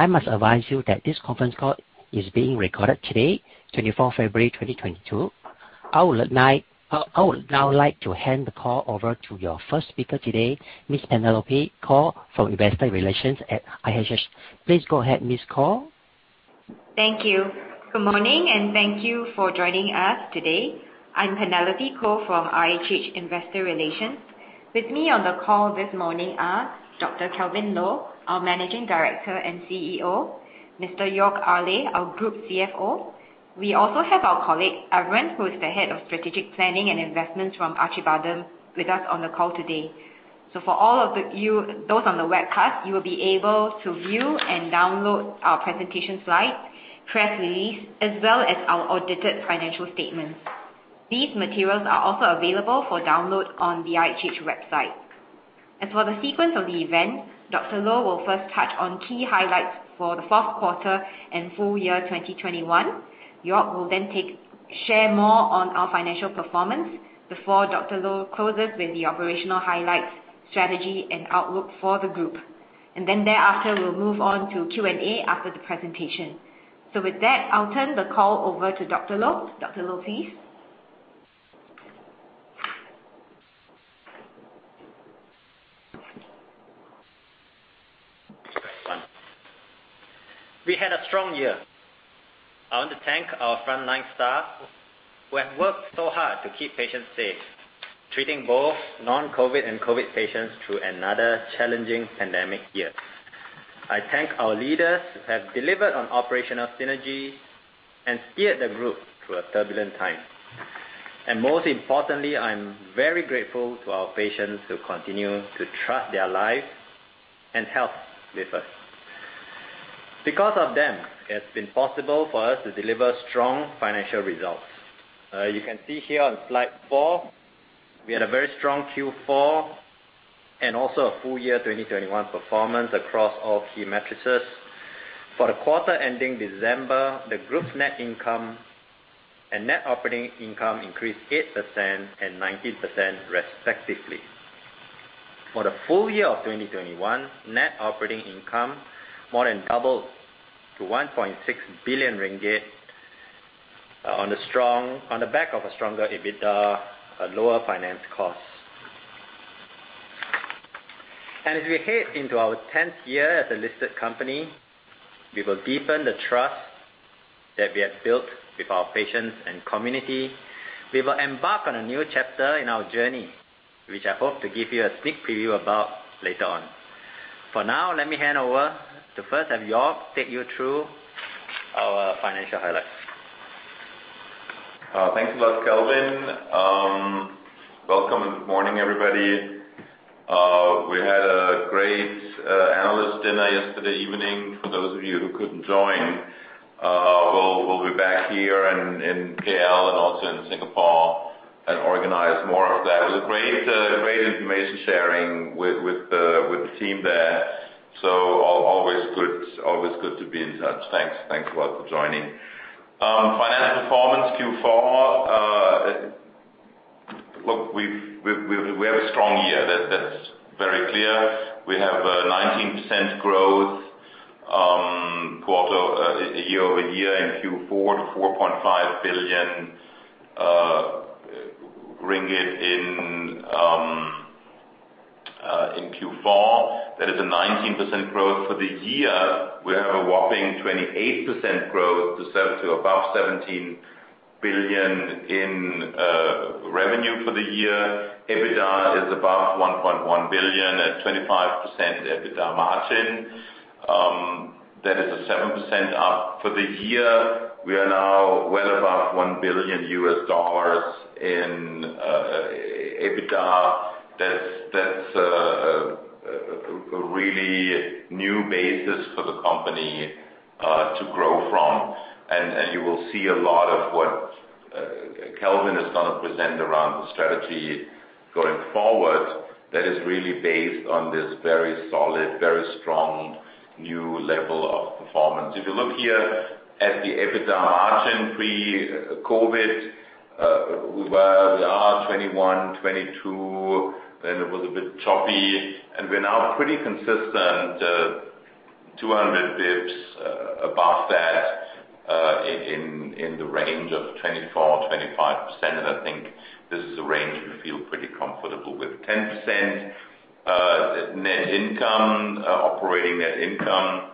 I must advise you that this conference call is being recorded today, 24 February 2022. I would now like to hand the call over to your first speaker today, Ms. Penelope Koh from Investor Relations at IHH. Please go ahead, Ms. Koh. Thank you. Good morning, and thank you for joining us today. I'm Penelope Koh from IHH Investor Relations. With me on the call this morning are Dr. Kelvin Loh, our Managing Director and CEO, Mr. Joerg Ayrle, our Group CFO. We also have our colleague, Arun, who is the Head of Strategic Planning and Investments from Acibadem, with us on the call today. For all of those on the webcast, you will be able to view and download our presentation slides, press release, as well as our audited financial statements. These materials are also available for download on the IHH website. As for the sequence of the event, Dr. Loh will first touch on key highlights for the fourth quarter and full year 2021. Joerg will then share more on our financial performance before Dr. Loh closes with the operational highlights, strategy and outlook for the group. Then thereafter, we'll move on to Q&A after the presentation. With that, I'll turn the call over to Dr. Loh. Dr. Loh, please. We had a strong year. I want to thank our frontline staff who have worked so hard to keep patients safe, treating both non-COVID and COVID patients through another challenging pandemic year. I thank our leaders who have delivered on operational synergy and steered the group through a turbulent time. Most importantly, I'm very grateful to our patients who continue to trust their lives and health with us. Because of them, it's been possible for us to deliver strong financial results. You can see here on slide 4, we had a very strong Q4 and also a full year 2021 performance across all key metrics. For the quarter ending December, the group's net income and net operating income increased 8% and 19% respectively. For the full year of 2021, net operating income more than doubled to 1.6 billion ringgit on the back of a stronger EBITDA at lower finance costs. As we head into our tenth year as a listed company, we will deepen the trust that we have built with our patients and community. We will embark on a new chapter in our journey, which I hope to give you a sneak preview about later on. For now, let me hand over. First, have Jeorg take you through our financial highlights. Thanks a lot, Kelvin. Welcome and good morning, everybody. We had a great analyst dinner yesterday evening. For those of you who couldn't join, we'll be back here and KL and also in Singapore and organize more of that. It was a great information sharing with the team there. Always good to be in touch. Thanks a lot for joining. Financial performance Q4. We have a strong year. That's very clear. We have a 19% growth quarter year-over-year in Q4 to 4.5 billion ringgit in Q4. That is a 19% growth for the year. We have a whopping 28% growth to scale to above 17 billion in revenue for the year. EBITDA is above $1.1 billion at 25% EBITDA margin. That is a 7% up. For the year, we are now well above $1 billion in EBITDA. That's a really new basis for the company to grow from. You will see a lot of what Kelvin is gonna present around the strategy going forward that is really based on this very solid, very strong new level of performance. If you look here at the EBITDA margin pre-COVID, we were 21%-22%, then it was a bit choppy, and we're now pretty consistent, 200 BPS above that, in the range of 24%-25%. I think this is a range we feel pretty comfortable with. 10% net income, operating net income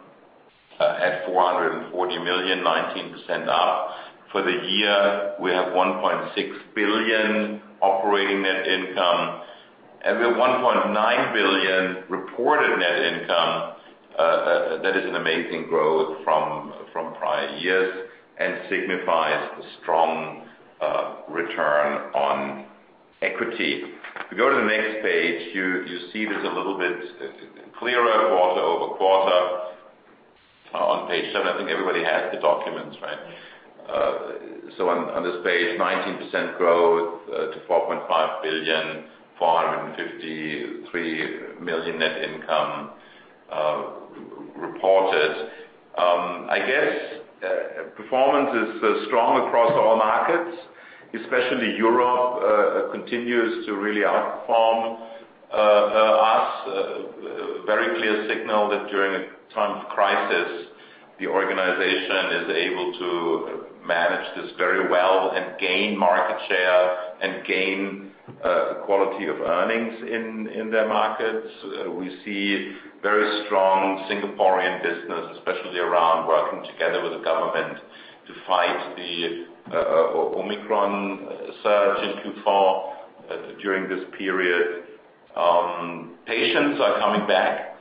at 440 million, 19% up. For the year, we have 1.6 billion operating net income, and we have 1.9 billion reported net income. That is an amazing growth from prior years and signifies a strong return on equity. If you go to the next page, you see this a little bit clearer quarter-over-quarter on page 7. I think everybody has the documents, right? So on this page, 19% growth to 4.5 billion, 453 million net income reported. I guess performance is strong across all markets. Especially Europe continues to really outperform us. Very clear signal that during a time of crisis, the organization is able to manage this very well and gain market share and quality of earnings in their markets. We see very strong Singaporean business, especially around working together with the government to fight the Omicron surge in Q4 during this period. Patients are coming back.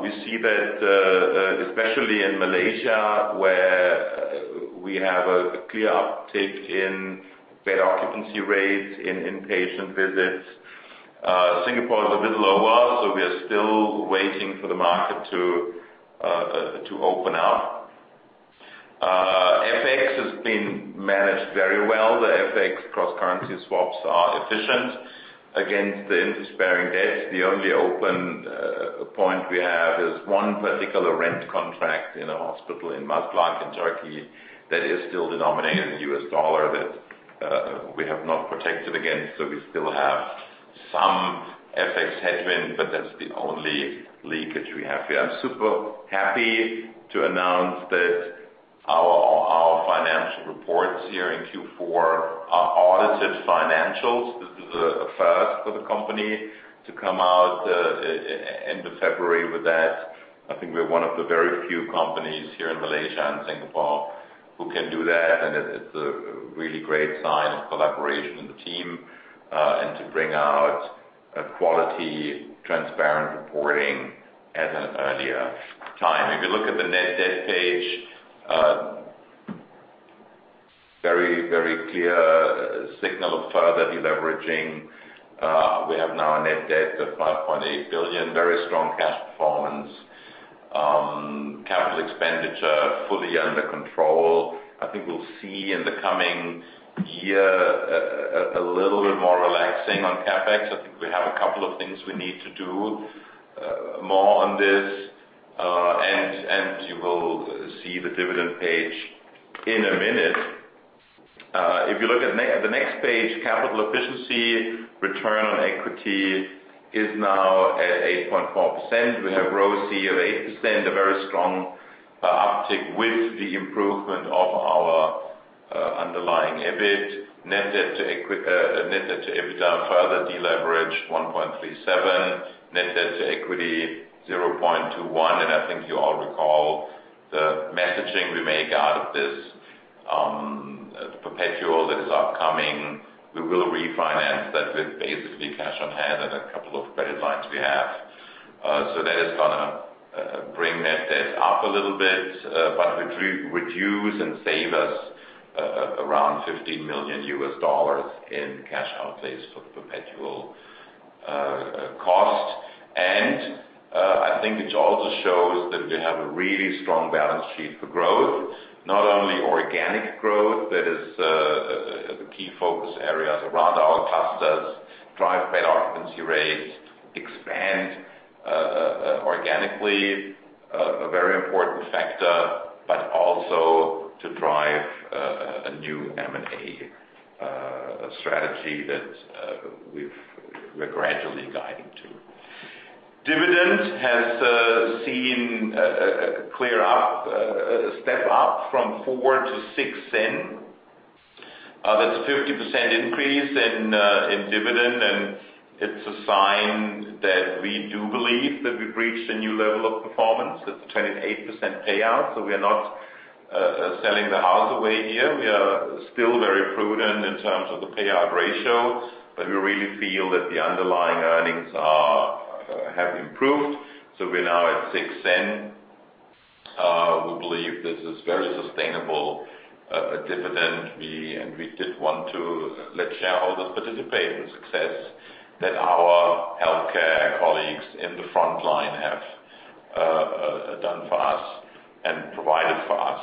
We see that, especially in Malaysia, where we have a clear uptake in bed occupancy rates in inpatient visits. Singapore is a bit lower, so we are still waiting for the market to open up. FX has been managed very well. The FX cross-currency swaps are efficient against the interest-bearing debt. The only open point we have is one particular rent contract in a hospital in Maslak, in Turkey, that is still denominated in U.S. dollar that we have not protected against. We still have some FX headwind, but that's the only leakage we have here. I'm super happy to announce that our financial reports here in Q4 are audited financials. This is a first for the company to come out end of February with that. I think we're one of the very few companies here in Malaysia and Singapore who can do that, and it's a really great sign of collaboration in the team and to bring out a quality, transparent reporting at an earlier time. If you look at the net debt page, very clear signal of further deleveraging. We have now a net debt of 5.8 billion, very strong cash performance. Capital expenditure fully under control. I think we'll see in the coming year a little bit more relaxing on CapEx. I think we have a couple of things we need to do more on this. You will see the dividend page in a minute. If you look at the next page, capital efficiency, return on equity is now at 8.4%. We have ROCE of 8%, a very strong uptick with the improvement of our underlying EBIT. Net debt to EBITDA further deleveraged 1.37. Net debt to equity, 0.21. I think you all recall the messaging we make out of this perpetual that is upcoming. We will refinance that with basically cash on hand and a couple of credit lines we have. That is gonna bring net debt up a little bit, but reduce and save us around $15 million in cash outlays for the perpetual cost. I think it also shows that we have a really strong balance sheet for growth. Not only organic growth, that is the key focus areas around our clusters, drive bed occupancy rates, expand organically, a very important factor, but also to drive a new M&A strategy that we're gradually guiding to. Dividend has seen a clear uptick, a step up from 0.04 to 0.06. That's a 50% increase in dividend, and it's a sign that we do believe that we've reached a new level of performance. That's a 28% payout. We are not selling the house away here. We are still very prudent in terms of the payout ratio, but we really feel that the underlying earnings have improved. We're now at 0.06. We believe this is very sustainable dividend. We did want to let shareholders participate in success that our healthcare colleagues in the front line have done for us and provided for us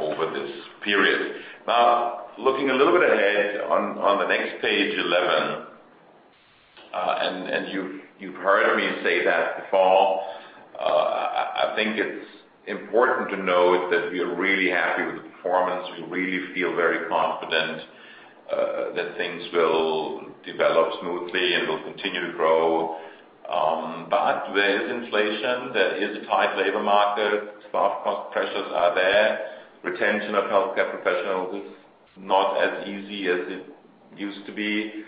over this period. Now, looking a little bit ahead on the next page 11, and you've heard me say that before, I think it's important to note that we are really happy with the performance. We really feel very confident that things will develop smoothly and will continue to grow. There is inflation, there is a tight labor market, staff cost pressures are there. Retention of healthcare professionals is not as easy as it used to be.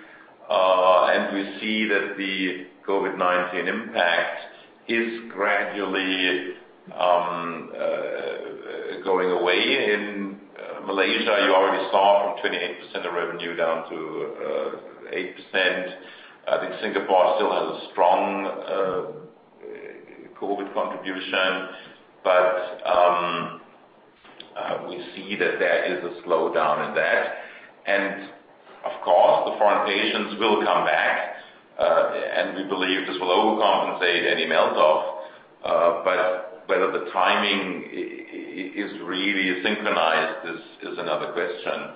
We see that the COVID-19 impact is gradually going away. In Malaysia, you already saw from 28% of revenue down to 8%. I think Singapore still has a strong COVID contribution, but we see that there is a slowdown in that. Of course, the foreign patients will come back and we believe this will overcompensate any melt off. Whether the timing is really synchronized is another question.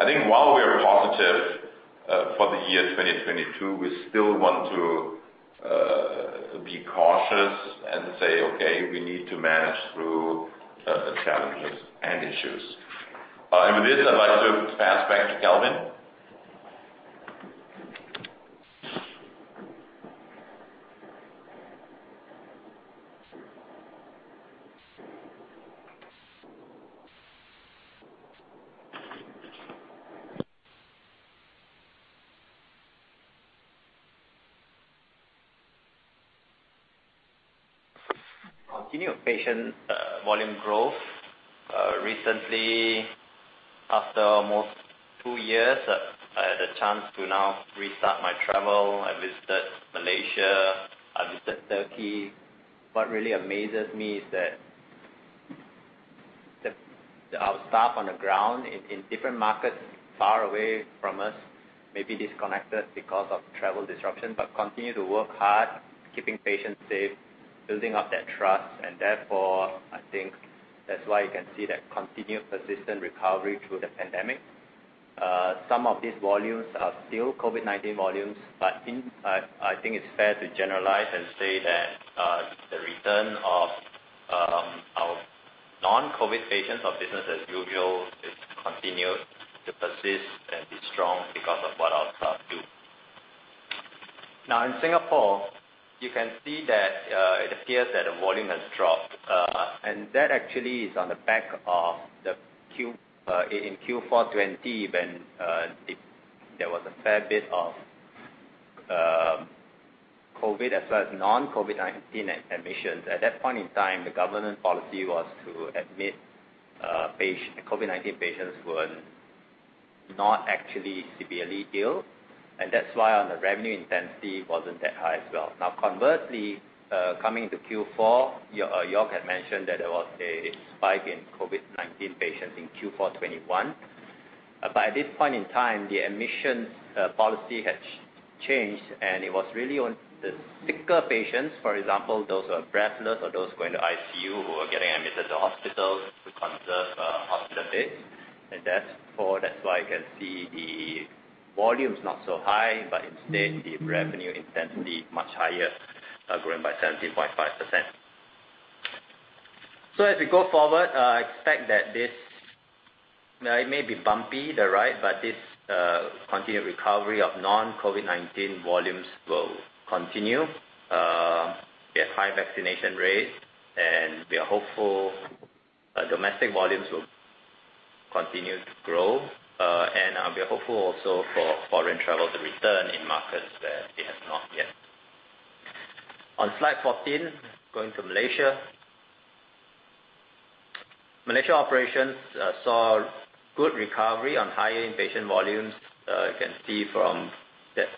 I think while we are positive for the year 2022, we still want to be cautious and say, "Okay, we need to manage through the challenges and issues." With this, I'd like to pass back to Kelvin. Continued patient volume growth. Recently, after almost two years, I had a chance to now restart my travel. I visited Malaysia. I visited Turkey. What really amazes me is that our staff on the ground in different markets far away from us may be disconnected because of travel disruption, but continue to work hard, keeping patients safe, building up their trust, and therefore, I think that's why you can see that continued persistent recovery through the pandemic. Some of these volumes are still COVID-19 volumes, but I think it's fair to generalize and say that the return of our non-COVID patients or business as usual is continued to persist and be strong because of what our staff do. Now, in Singapore, you can see that it appears that the volume has dropped. That actually is on the back of the Q in Q4 2020, when there was a fair bit of COVID as well as non-COVID-19 admissions. At that point in time, the government policy was to admit COVID-19 patients who are not actually severely ill, and that's why the revenue intensity wasn't that high as well. Now, conversely, coming to Q4, Jeorg had mentioned that there was a spike in COVID-19 patients in Q4 2021. By this point in time, the admissions policy had changed, and it was really on the sicker patients, for example, those who are breathless or those who are going to ICU, who are getting admitted to hospital to conserve hospital beds. That's why you can see the volume is not so high, but instead the revenue intensity much higher, growing by 17.5%. As we go forward, I expect that this. It may be bumpy, the ride, but this continued recovery of non-COVID-19 volumes will continue. We have high vaccination rates, and we are hopeful domestic volumes will continue to grow. And we are hopeful also for foreign travel to return in markets where it has not yet. On slide 14, going to Malaysia. Malaysia operations saw good recovery on higher inpatient volumes. You can see from that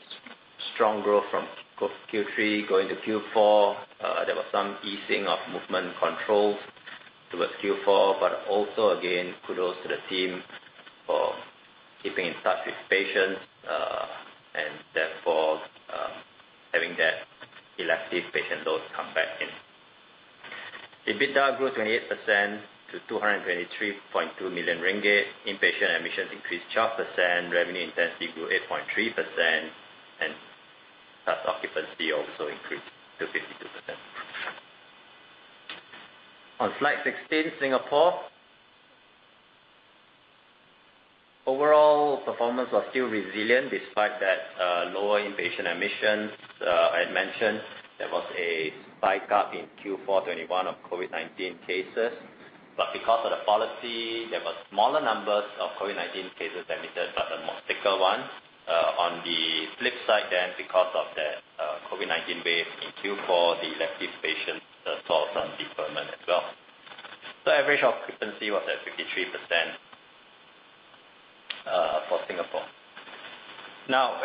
strong growth from Q3 going to Q4, there was some easing of movement controls towards Q4, but also again, kudos to the team for keeping in touch with patients, and therefore, having that elective patient load come back in. EBITDA grew 28% to 223.2 million ringgit. Inpatient admissions increased 12%. Revenue intensity grew 8.3%. Bed occupancy also increased to 52%. On slide 16, Singapore. Overall performance was still resilient despite that lower inpatient admissions. I had mentioned there was a spike up in Q4 2021 of COVID-19 cases, but because of the policy, there were smaller numbers of COVID-19 cases admitted, but the more sicker one. On the flip side then, because of the COVID-19 wave in Q4, the elective patients saw some deferment as well. The average occupancy was at 53% for Singapore. Now,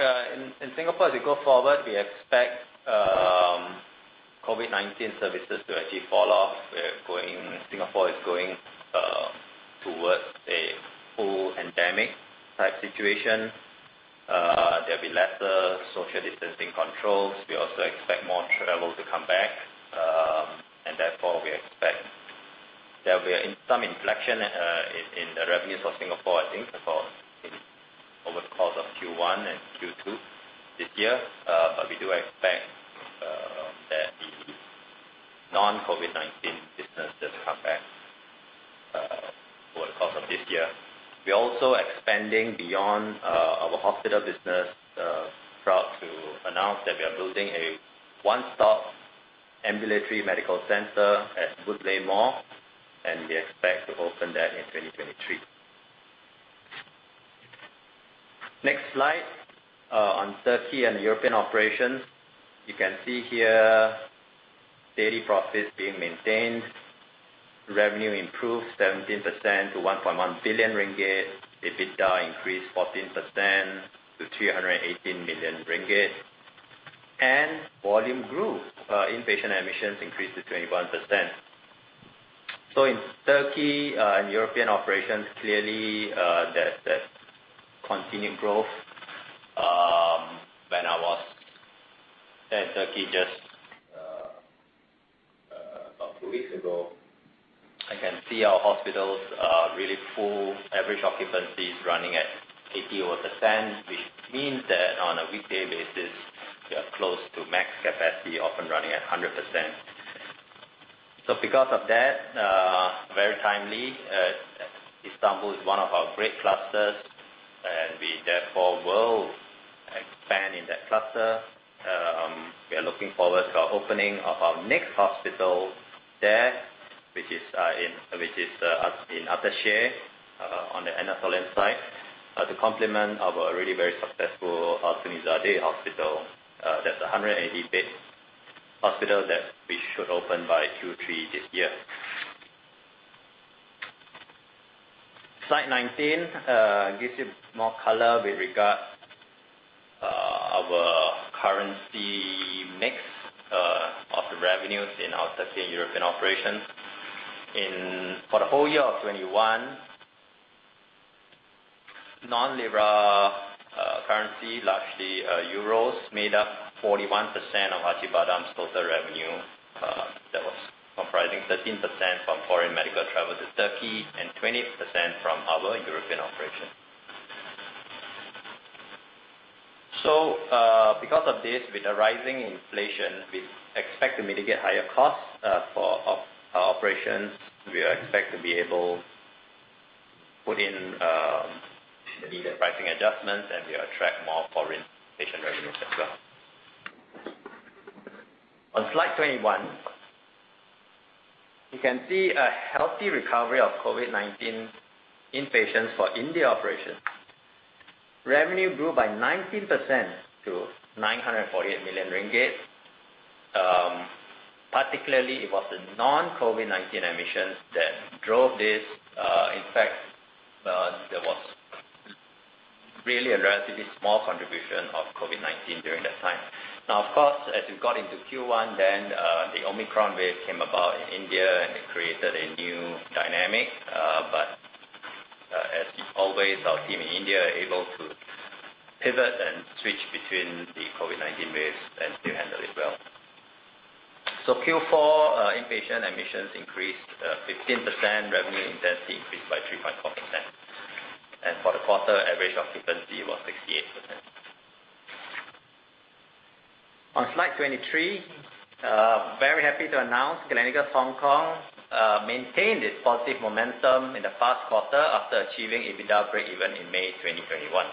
in Singapore, as we go forward, we expect COVID-19 services to actually fall off. Singapore is going towards a full endemic type situation. There'll be lesser social distancing controls. We also expect more travel to come back. Therefore, we expect there'll be some inflection in the revenues for Singapore, I think over the course of Q1 and Q2 this year. We do expect that the non-COVID-19 businesses come back over the course of this year. We're also expanding beyond our hospital business. Proud to announce that we are building a one-stop ambulatory medical center at The Woodleigh Mall, and we expect to open that in 2023. Next slide on Turkey and European operations. You can see here daily profits being maintained. Revenue improved 17% to 1.1 billion ringgit. EBITDA increased 14% to 318 million ringgit. Volume grew. Inpatient admissions increased 21%. In Turkey and European operations, clearly there's that continued growth, when I was in Turkey two weeks ago, I can see our hospitals are really full. Average occupancy is running at over 80%, which means that on a weekday basis, we are close to max capacity, often running at 100%. Because of that, very timely, Istanbul is one of our great clusters, and we therefore will expand in that cluster. We are looking forward to our opening of our next hospital there, which is in Ataşehir on the Anatolian side to complement our really very successful Tuzla hospital. That's a 180-bed hospital that we should open by Q3 this year. Slide 19 gives you more color with regard to our currency mix of the revenues in our Turkey and European operations. For the whole year of 2021, non-lira currency, largely euros, made up 41% of Acibadem's total revenue, that was comprising 13% from foreign medical travel to Turkey and 20% from our European operations. Because of this, with the rising inflation, we expect to mitigate higher costs for our operations. We expect to be able to put in needed pricing adjustments, and we attract more foreign patient revenues as well. On slide 21, you can see a healthy recovery of COVID-19 inpatients for India operations. Revenue grew by 19% to 948 million ringgit. Particularly it was the non-COVID-19 admissions that drove this. In fact, there was really a relatively small contribution of COVID-19 during that time. Now, of course, as we got into Q1 then, the Omicron wave came about in India, and it created a new dynamic. As always, our team in India are able to pivot and switch between the COVID-19 waves and still handle it well. Q4, inpatient admissions increased 15%, revenue intensity increased by 3.4%. For the quarter, average occupancy was 68%. On slide 23, very happy to announce Gleneagles Hong Kong maintained its positive momentum in the past quarter after achieving EBITDA breakeven in May 2021.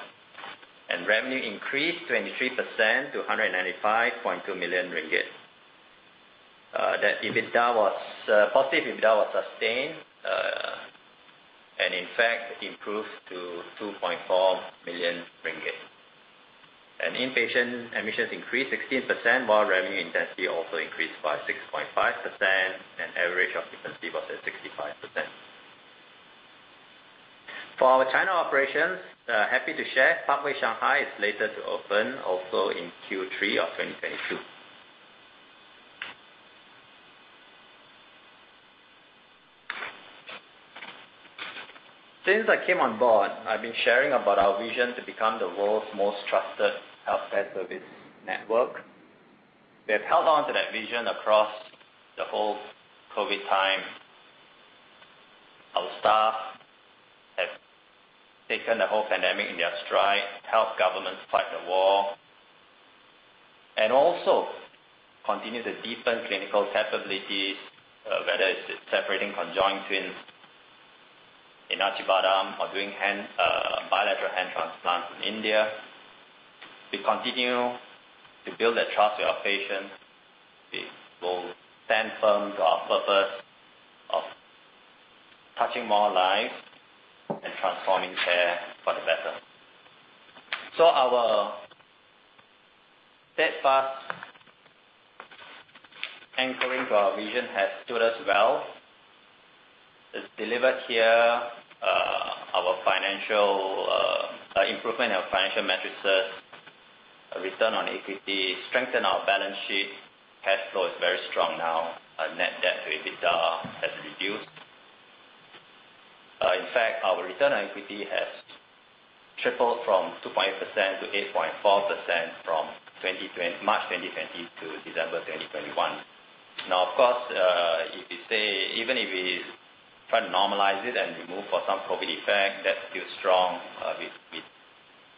Revenue increased 23% to 195.2 million ringgit. The positive EBITDA was sustained, and in fact, improved to 2.4 million ringgit. Inpatient admissions increased 16%, while revenue intensity also increased by 6.5%, and average occupancy was at 65%. For our China operations, happy to share Parkway Shanghai is slated to open also in Q3 of 2022. Since I came on board, I've been sharing about our vision to become the world's most trusted healthcare service network. We have held on to that vision across the whole COVID time. Our staff have taken the whole pandemic in their stride, helped governments fight the war, and also continued to deepen clinical capabilities, whether it's separating conjoined twins in Acibadem or doing bilateral hand transplants in India. We continue to build that trust with our patients. We will stand firm to our purpose of touching more lives and transforming care for the better. Our steadfast anchoring to our vision has stood us well. It's delivered here, our financial improvement in our financial metrics, return on equity, strengthen our balance sheet. Cash flow is very strong now. Our net debt to EBITDA has reduced. In fact, our return on equity has tripled from 2.8% to 8.4% from March 2020 to December 2021. Now, of course, even if we try to normalize it and remove the COVID effect, that's still strong.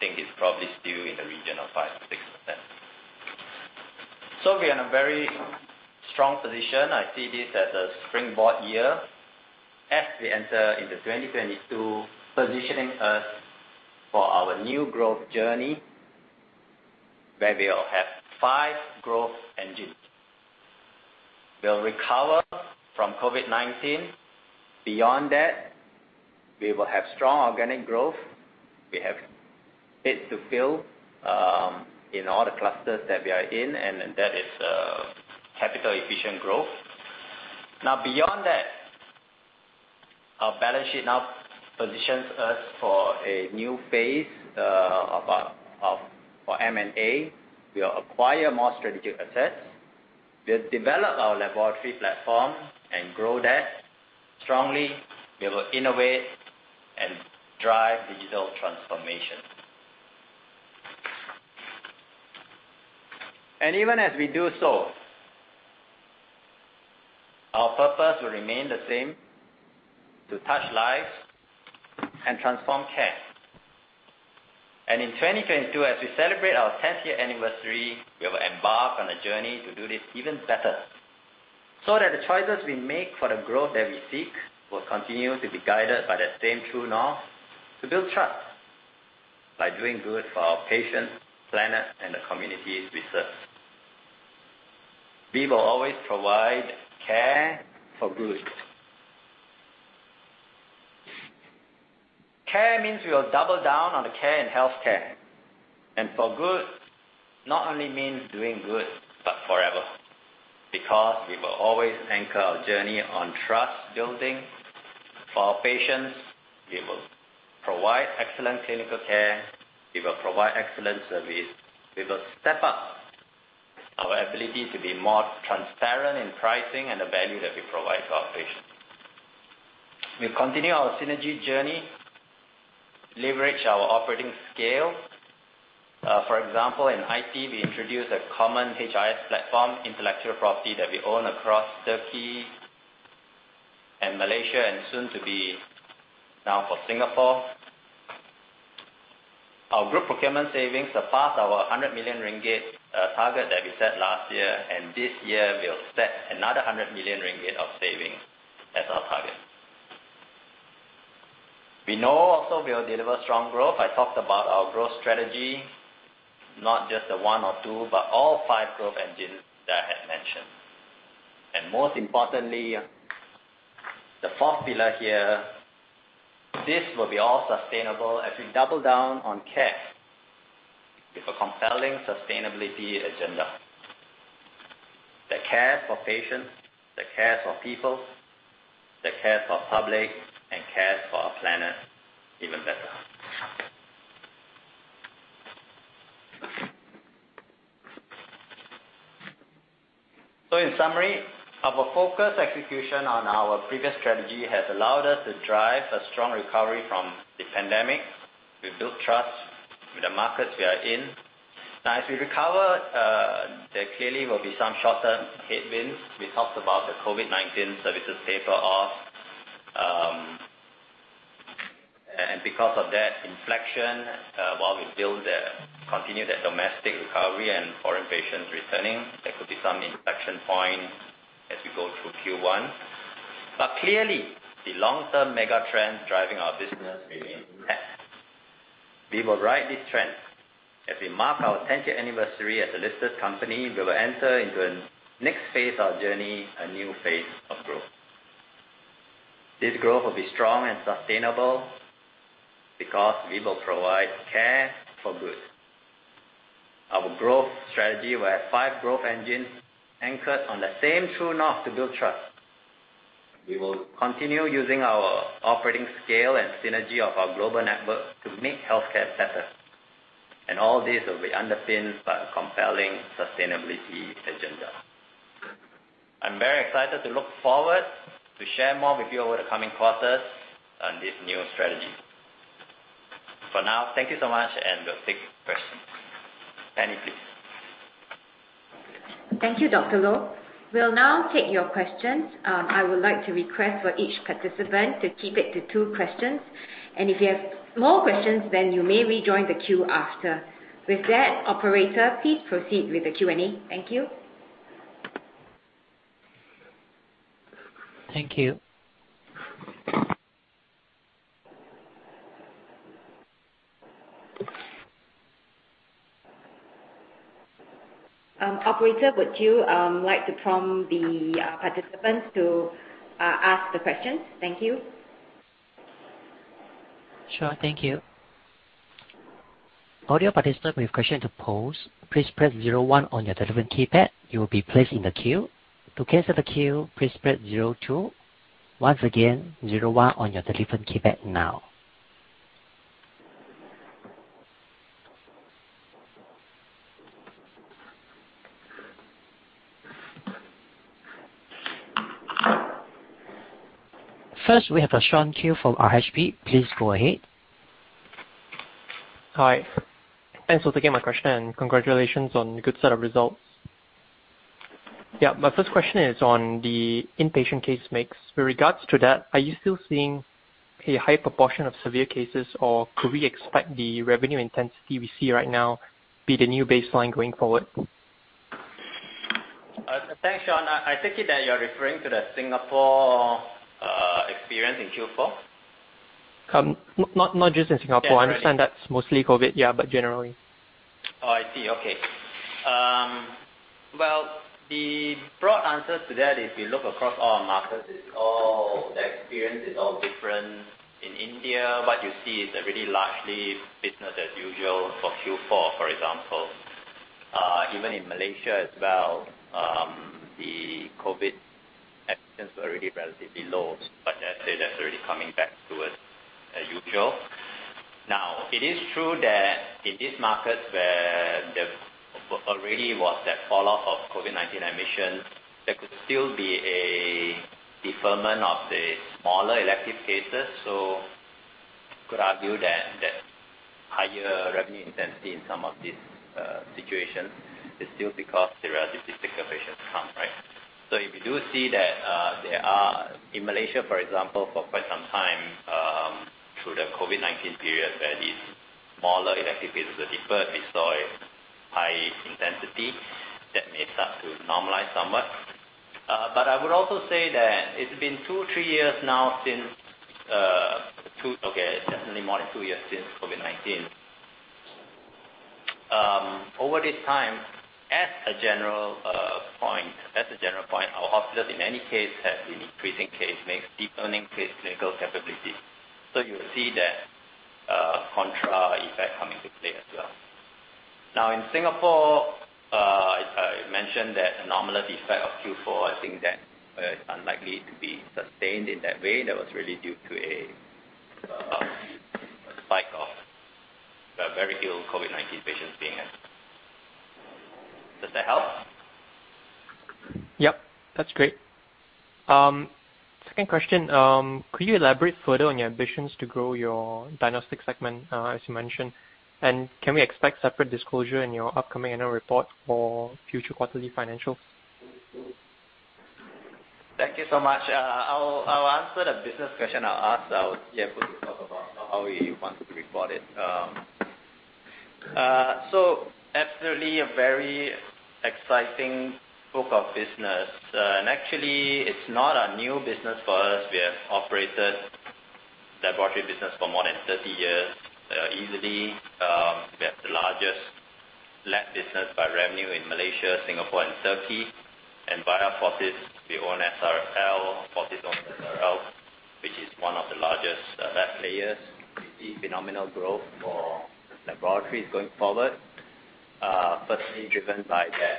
We think it's probably still in the region of 5%-6%. We're in a very strong position. I see this as a springboard year as we enter into 2022, positioning us for our new growth journey, where we'll have five growth engines. We'll recover from COVID-19. Beyond that, we will have strong organic growth. We have fit to fill in all the clusters that we are in, and then that is capital efficient growth. Now, beyond that, our balance sheet now positions us for a new phase of M&A. We will acquire more strategic assets. We'll develop our laboratory platform and grow that strongly. We will innovate and drive digital transformation. Even as we do so, our purpose will remain the same, to touch lives and transform care. In 2022, as we celebrate our tenth year anniversary, we will embark on a journey to do this even better, so that the choices we make for the growth that we seek will continue to be guided by that same true north to build trust by doing good for our patients, planet, and the communities we serve. We will always provide care for good. Care means we will double down on the care and health care. For good, not only means doing good, but forever. Because we will always anchor our journey on trust building for our patients. We will provide excellent clinical care. We will provide excellent service. We will step up our ability to be more transparent in pricing and the value that we provide to our patients. We continue our synergy journey, leverage our operating scale. For example, in IT, we introduced a common HIS platform, intellectual property that we own across Turkey and Malaysia, and soon to be now for Singapore. Our group procurement savings surpassed our 100 million ringgit target that we set last year, and this year we'll set another 100 million ringgit of savings as our target. We now also we'll deliver strong growth. I talked about our growth strategy, not just the one or two, but all five growth engines that I had mentioned. Most importantly, the fourth pillar here, this will be all sustainable as we double down on care with a compelling sustainability agenda. The care for patients, the care for people, the care for public, and care for our planet even better. In summary, our focused execution on our previous strategy has allowed us to drive a strong recovery from the pandemic. We've built trust with the markets we are in. Now, as we recover, there clearly will be some shorter headwinds. We talked about the COVID-19 services taper off, and because of that inflection, continue the domestic recovery and foreign patients returning, there could be some inflection point as we go through Q1. Clearly the long-term mega trends driving our business remain intact. We will ride this trend. As we mark our 10th year anniversary as a listed company, we will enter into a next phase of our journey, a new phase of growth. This growth will be strong and sustainable because we will provide care for good. Our growth strategy will have 5 growth engines anchored on the same true north to build trust. We will continue using our operating scale and synergy of our global network to make healthcare better. All this will be underpinned by a compelling sustainability agenda. I'm very excited to look forward to share more with you over the coming quarters on this new strategy. For now, thank you so much, and we'll take questions. Penny, please. Thank you, Dr. Loh. We'll now take your questions. I would like to request for each participant to keep it to two questions. If you have more questions, then you may rejoin the queue after. With that, operator, please proceed with the Q&A. Thank you. Thank you. Operator, would you like to prompt the participants to ask the questions? Thank you. Sure, thank you. Audio participants place questions to pools. lease press star zero one on your telephone keyd. You will be placed on a queue. To cancel the queue press star zero two. Once again, zero one on your telephone keypad now. First, we have Sean Qu from RHB. Please go ahead. Hi. Thanks for taking my question, and congratulations on a good set of results. Yeah. My first question is on the inpatient case mix. With regards to that, are you still seeing a high proportion of severe cases, or could we expect the revenue intensity we see right now be the new baseline going forward? Thanks, Sean. I take it that you're referring to the Singapore experience in Q4? Not just in Singapore. Generally. I understand that's mostly COVID. Yeah, but generally. Oh, I see. Okay. Well, the broad answer to that is we look across all our markets. It's all the experience is all different. In India, what you see is a really largely business as usual for Q4, for example. Even in Malaysia as well, the COVID admissions were already relatively low, but I'd say that's already coming back to usual. Now, it is true that in these markets where there already was that fall off of COVID-19 admissions, there could still be a deferment of the smaller elective cases. Could argue that that higher revenue intensity in some of these situations is still because there are these particular patients come, right? If you do see that, there are in Malaysia, for example, for quite some time, through the COVID-19 period, there is smaller activities, but we saw a high intensity that may start to normalize somewhat. I would also say that it's been 2, 3 years now since, definitely more than 2 years since COVID-19. Over this time, as a general point, our hospitals, in any case, have been increasing case mix, deepening clinical capabilities. You will see that, counter effect coming to play as well. Now, in Singapore, I mentioned that anomalous effect of Q4. I think that is unlikely to be sustained in that way. That was really due to a spike of the very ill COVID-19 patients being Does that help? Yep, that's great. Second question. Could you elaborate further on your ambitions to grow your diagnostic segment, as you mentioned? And can we expect separate disclosure in your upcoming annual report for future quarterly financials? Thank you so much. I'll answer the business question I asked. I would be able to talk about how we want to report it. Absolutely a very exciting book of business. Actually, it's not a new business for us. We have operated laboratory business for more than 30 years, easily. We have the largest lab business by revenue in Malaysia, Singapore, and Turkey. Via Fortis, we own SRL, Fortis owns SRL, which is one of the largest lab players. We see phenomenal growth for laboratories going forward, firstly driven by the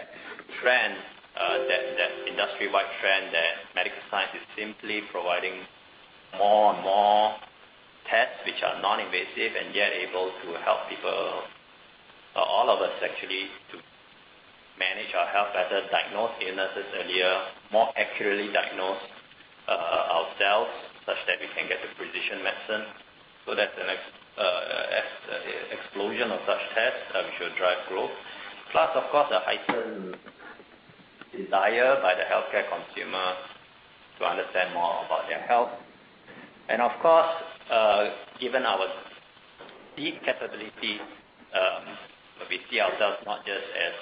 trend, that industry-wide trend that medical science is simply providing more and more tests which are non-invasive and yet able to help people, all of us actually, to manage our health better, diagnose illnesses earlier, more accurately diagnose ourselves such that we can get a precision medicine. That's the next explosion of such tests which will drive growth. Plus, of course, a heightened desire by the healthcare consumer to understand more about their health. Of course, given our deep capability, we see ourselves not just as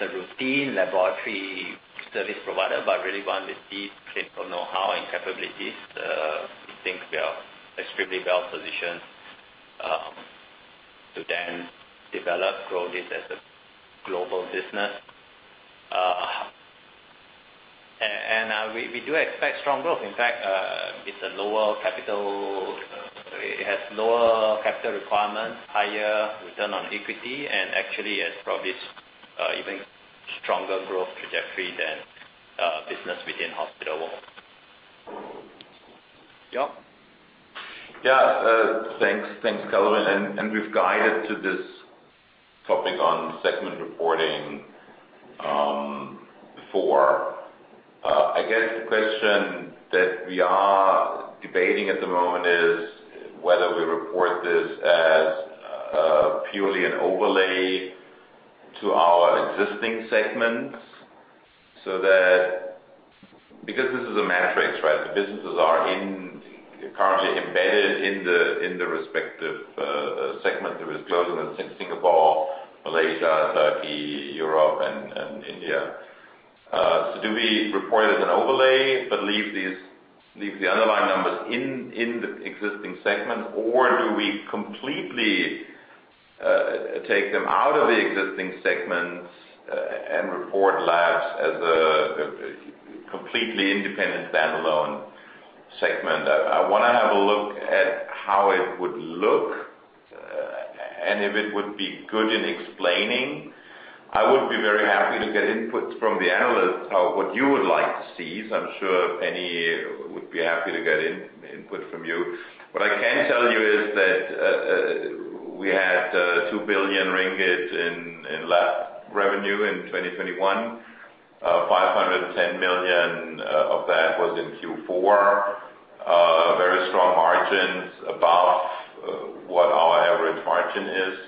a routine laboratory service provider, but really one with deep clinical know-how and capabilities. We think we are extremely well-positioned to then develop, grow this as a global business. We do expect strong growth. In fact, it has lower capital requirements, higher return on equity, and actually it probably is even stronger growth trajectory than business within hospital. Yeah. Thanks. Thanks, Kelvin. We've guided to this topic on segment reporting before. I guess the question that we are debating at the moment is whether we report this as purely an overlay to our existing segments so that, because this is a matrix, right? The businesses are currently embedded in the respective segment of disclosure in Singapore, Malaysia, Turkey, Europe, and India. So do we report it as an overlay but leave the underlying numbers in the existing segment? Or do we completely take them out of the existing segments and report labs as a completely independent standalone segment? I wanna have a look at how it would look and if it would be good in explaining. I would be very happy to get input from the analysts, what you would like to see. I'm sure Penny would be happy to get input from you. What I can tell you is that we had 2 billion ringgit in lab revenue in 2021. 510 million of that was in Q4. Very strong margins above what our average margin is.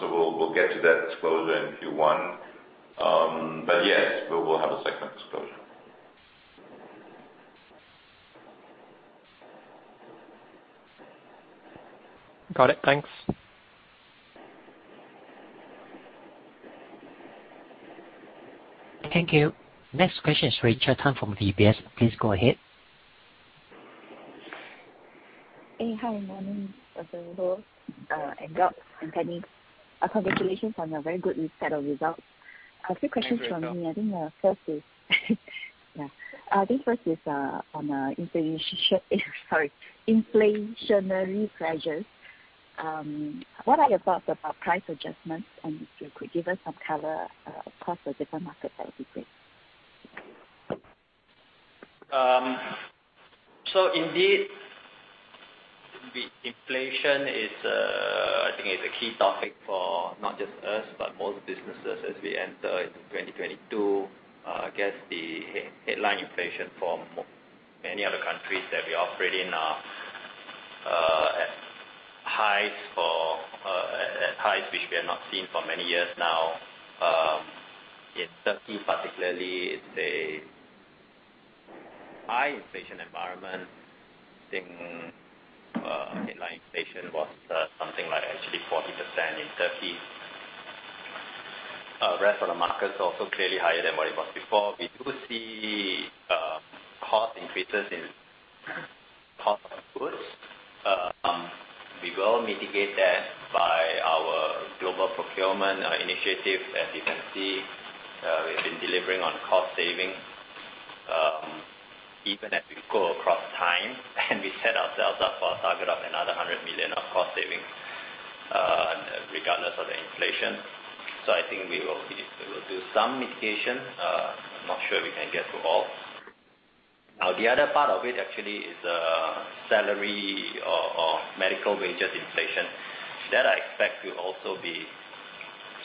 We'll get to that disclosure in Q1. But yes, we will have a segment disclosure. Got it. Thanks. Thank you. Next question is Rachel Tan from DBS. Please go ahead. Hey. Hi. Morning, Dr. Loh, and Jeorg Ayrle and Penny. Congratulations on your very good set of results. A few questions from me. Thank you, Rachel. I think the first is on inflationary pressures. What are your thoughts about price adjustments? If you could give us some color across the different markets, that would be great. Inflation is, I think it's a key topic for not just us, but most businesses as we enter into 2022. I guess the headline inflation for many other countries that we operate in are at highs which we have not seen for many years now. In Turkey particularly, it's a high inflation environment. I think, headline inflation was something like actually 40% in Turkey. Rest of the markets are also clearly higher than what it was before. We do see cost increases in cost of goods. We will mitigate that by our global procurement initiative. As you can see, we've been delivering on cost saving, even as we go across time, and we set ourselves up for a target of another 100 million of cost savings, regardless of the inflation. I think we will do some mitigation. I'm not sure we can get to all. Now, the other part of it actually is, salary or medical wages inflation. That, I expect, will also be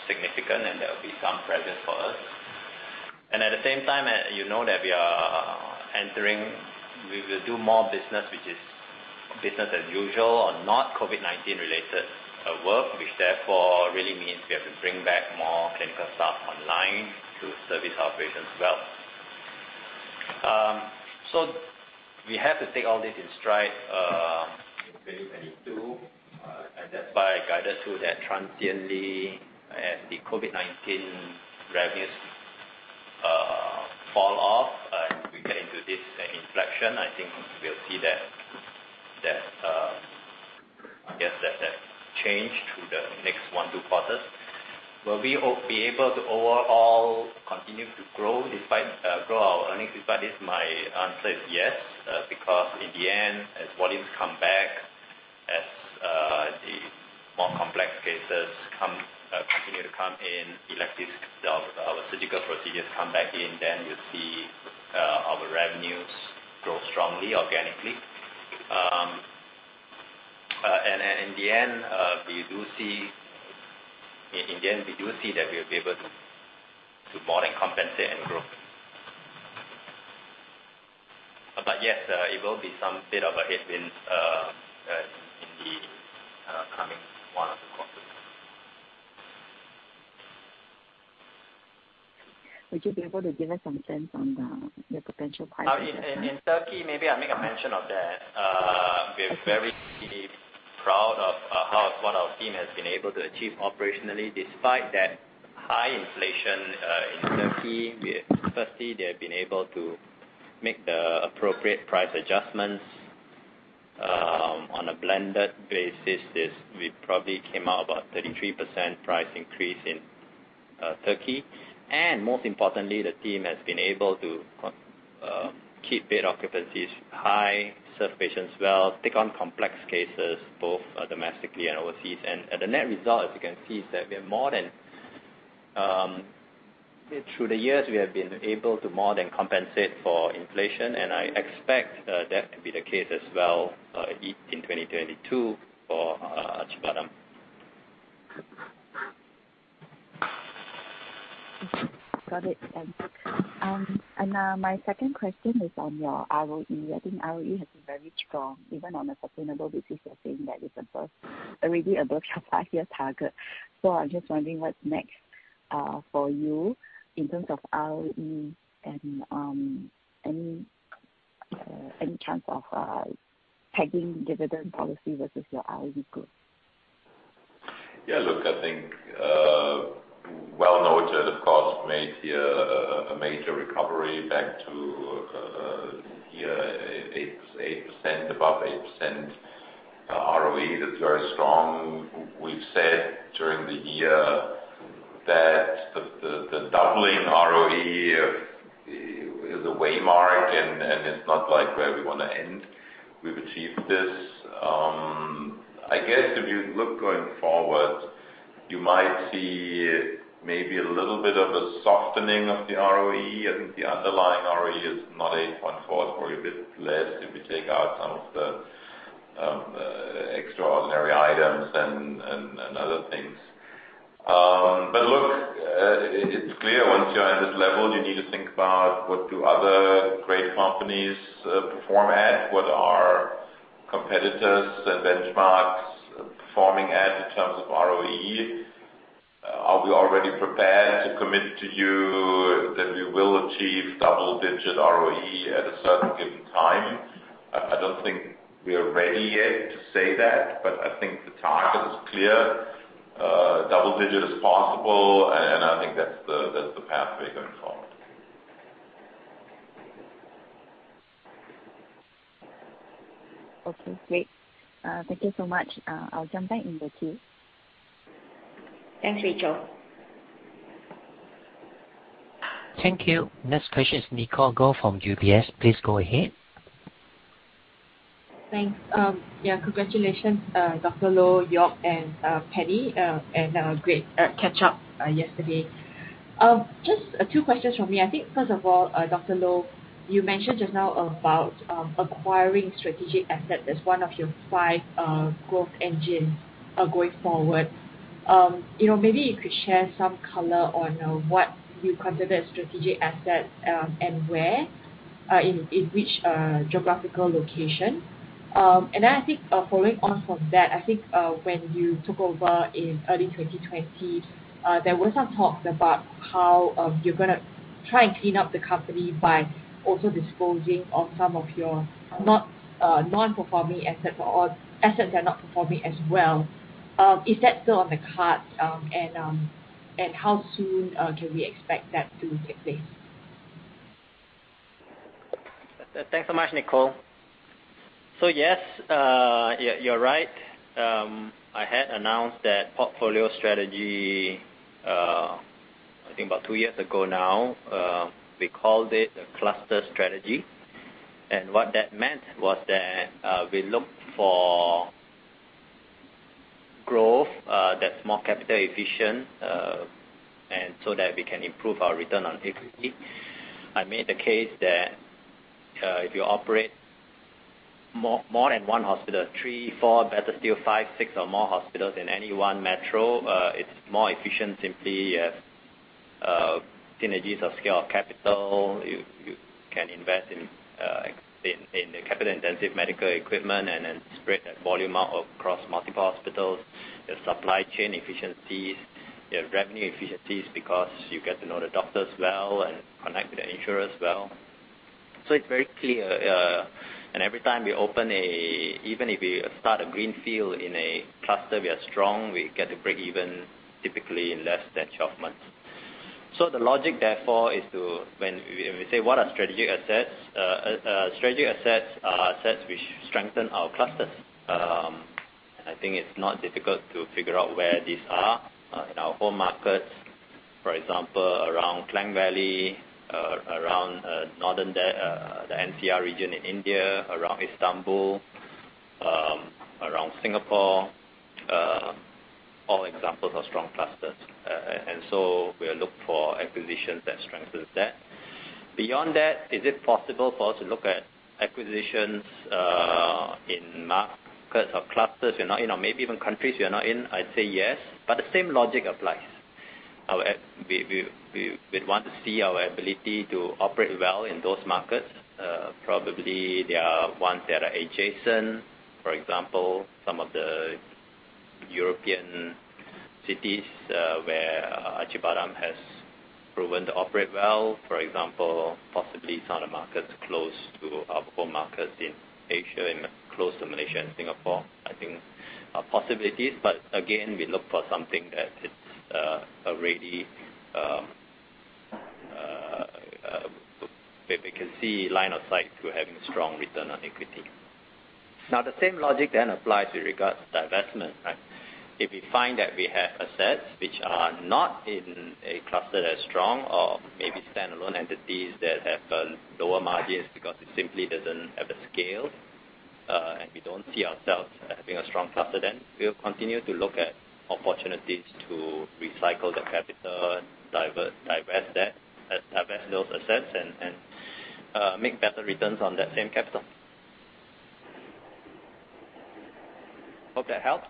significant, and there'll be some pressure for us. At the same time, you know that we are entering. We will do more business, which is business as usual or not COVID-19 related work, which therefore really means we have to bring back more clinical staff online to service our patients well. We have to take all this in stride in 2022 and thereby guided through that transiently as the COVID-19 revenues fall off as we get into this inflection. I think we'll see that change through the next 1-2 quarters. Will we be able to overall continue to grow our earnings despite this? My answer is yes because in the end, as volumes come back, as the more complex cases continue to come in, elective surgical procedures come back in, then you'll see our revenues grow strongly organically. In the end, we do see that we'll be able to more than compensate and grow. Yes, it will be a bit of a headwind in the coming one or two quarters. Would you be able to give us some sense on the your potential price adjustment? In Turkey, maybe I'll make a mention of that. We're very proud of how one of our team has been able to achieve operationally despite that high inflation in Turkey. Firstly, they have been able to make the appropriate price adjustments. On a blended basis, we probably came out about 33% price increase in Turkey. Most importantly, the team has been able to keep bed occupancies high, serve patients well, take on complex cases both domestically and overseas. The net result, you can see, is that through the years, we have been able to more than compensate for inflation, and I expect that to be the case as well in 2022 for Acibadem. Got it. Thanks. My second question is on your ROE. I think ROE has been very strong. Even on a sustainable basis, you're saying that it's the first, already above your five-year target. I'm just wondering what's next for you in terms of ROE and any chance of pegging dividend policy versus your ROE growth? Yeah, look, I think well noted, of course, made here a major recovery back to, yeah, 8%, above 8% ROE. That's very strong. We've said during the year that the doubling ROE is a waymark and it's not like where we wanna end. We've achieved this. I guess if you look going forward, you might see maybe a little bit of a softening of the ROE. I think the underlying ROE is not 8.4, it's probably a bit less if you take out some of the extraordinary items and other things. Look, it's clear once you're at this level, you need to think about what do other great companies perform at. What are competitors and benchmarks performing at in terms of ROE? Are we already prepared to commit to you that we will achieve double digit ROE at a certain given time? I don't think we are ready yet to say that, but I think the target is clear. Double digit is possible, and I think that's the pathway going forward. Okay, great. Thank you so much. I'll jump back in the queue. Thanks, Rachel. Thank you. Next question is Nicole Goh from UBS. Please go ahead. Thanks. Yeah, congratulations, Dr. Loh, York, and Patty, and a great catch up yesterday. Just two questions from me. I think first of all, Dr. Loh, you mentioned just now about acquiring strategic asset as one of your five growth engines going forward. You know, maybe you could share some color on what you consider a strategic asset and where in which geographical location. Then I think following on from that, I think when you took over in early 2020, there was some talks about how you're gonna try and clean up the company by also disposing of some of your non-performing asset or assets that are not performing as well. Is that still on the cards? How soon can we expect that to take place? Thanks so much, Nicole. Yes, yeah, you're right. I had announced that portfolio strategy, I think about two years ago now. We called it a cluster strategy. What that meant was that, we look for growth, that's more capital efficient, and so that we can improve our return on equity. I made the case that, if you operate more than one hospital, three, four, better still five, six or more hospitals in any one metro, it's more efficient simply as, synergies of scale of capital. You can invest in the capital-intensive medical equipment and then spread that volume out across multiple hospitals. There's supply chain efficiencies. There are revenue efficiencies because you get to know the doctors well and connect with the insurers well. It's very clear, and every time we open even if we start a greenfield in a cluster, we are strong, we get to break even typically in less than 12 months. The logic therefore is, when we say what are strategic assets, strategic assets are assets which strengthen our clusters. I think it's not difficult to figure out where these are in our home markets. For example, around Klang Valley, around northern, the NCR region in India, around Istanbul, around Singapore, all examples of strong clusters. We'll look for acquisitions that strengthens that. Beyond that, is it possible for us to look at acquisitions in markets or clusters we're not in or maybe even countries we are not in? I'd say yes, but the same logic applies. We'd want to see our ability to operate well in those markets. Probably there are ones that are adjacent. For example, some of the European cities where Acibadem has proven to operate well. For example, possibly some of the markets close to our home markets in Asia and close to Malaysia and Singapore. I think they are possibilities, but again, we look for something that it's already where we can see line of sight to having strong return on equity. Now, the same logic then applies with regards to divestment, right? If we find that we have assets which are not in a cluster that's strong or maybe standalone entities that have lower margins because it simply doesn't have the scale, and we don't see ourselves as being a strong cluster, then we'll continue to look at opportunities to recycle the capital, divest those assets and make better returns on that same capital. Hope that helps.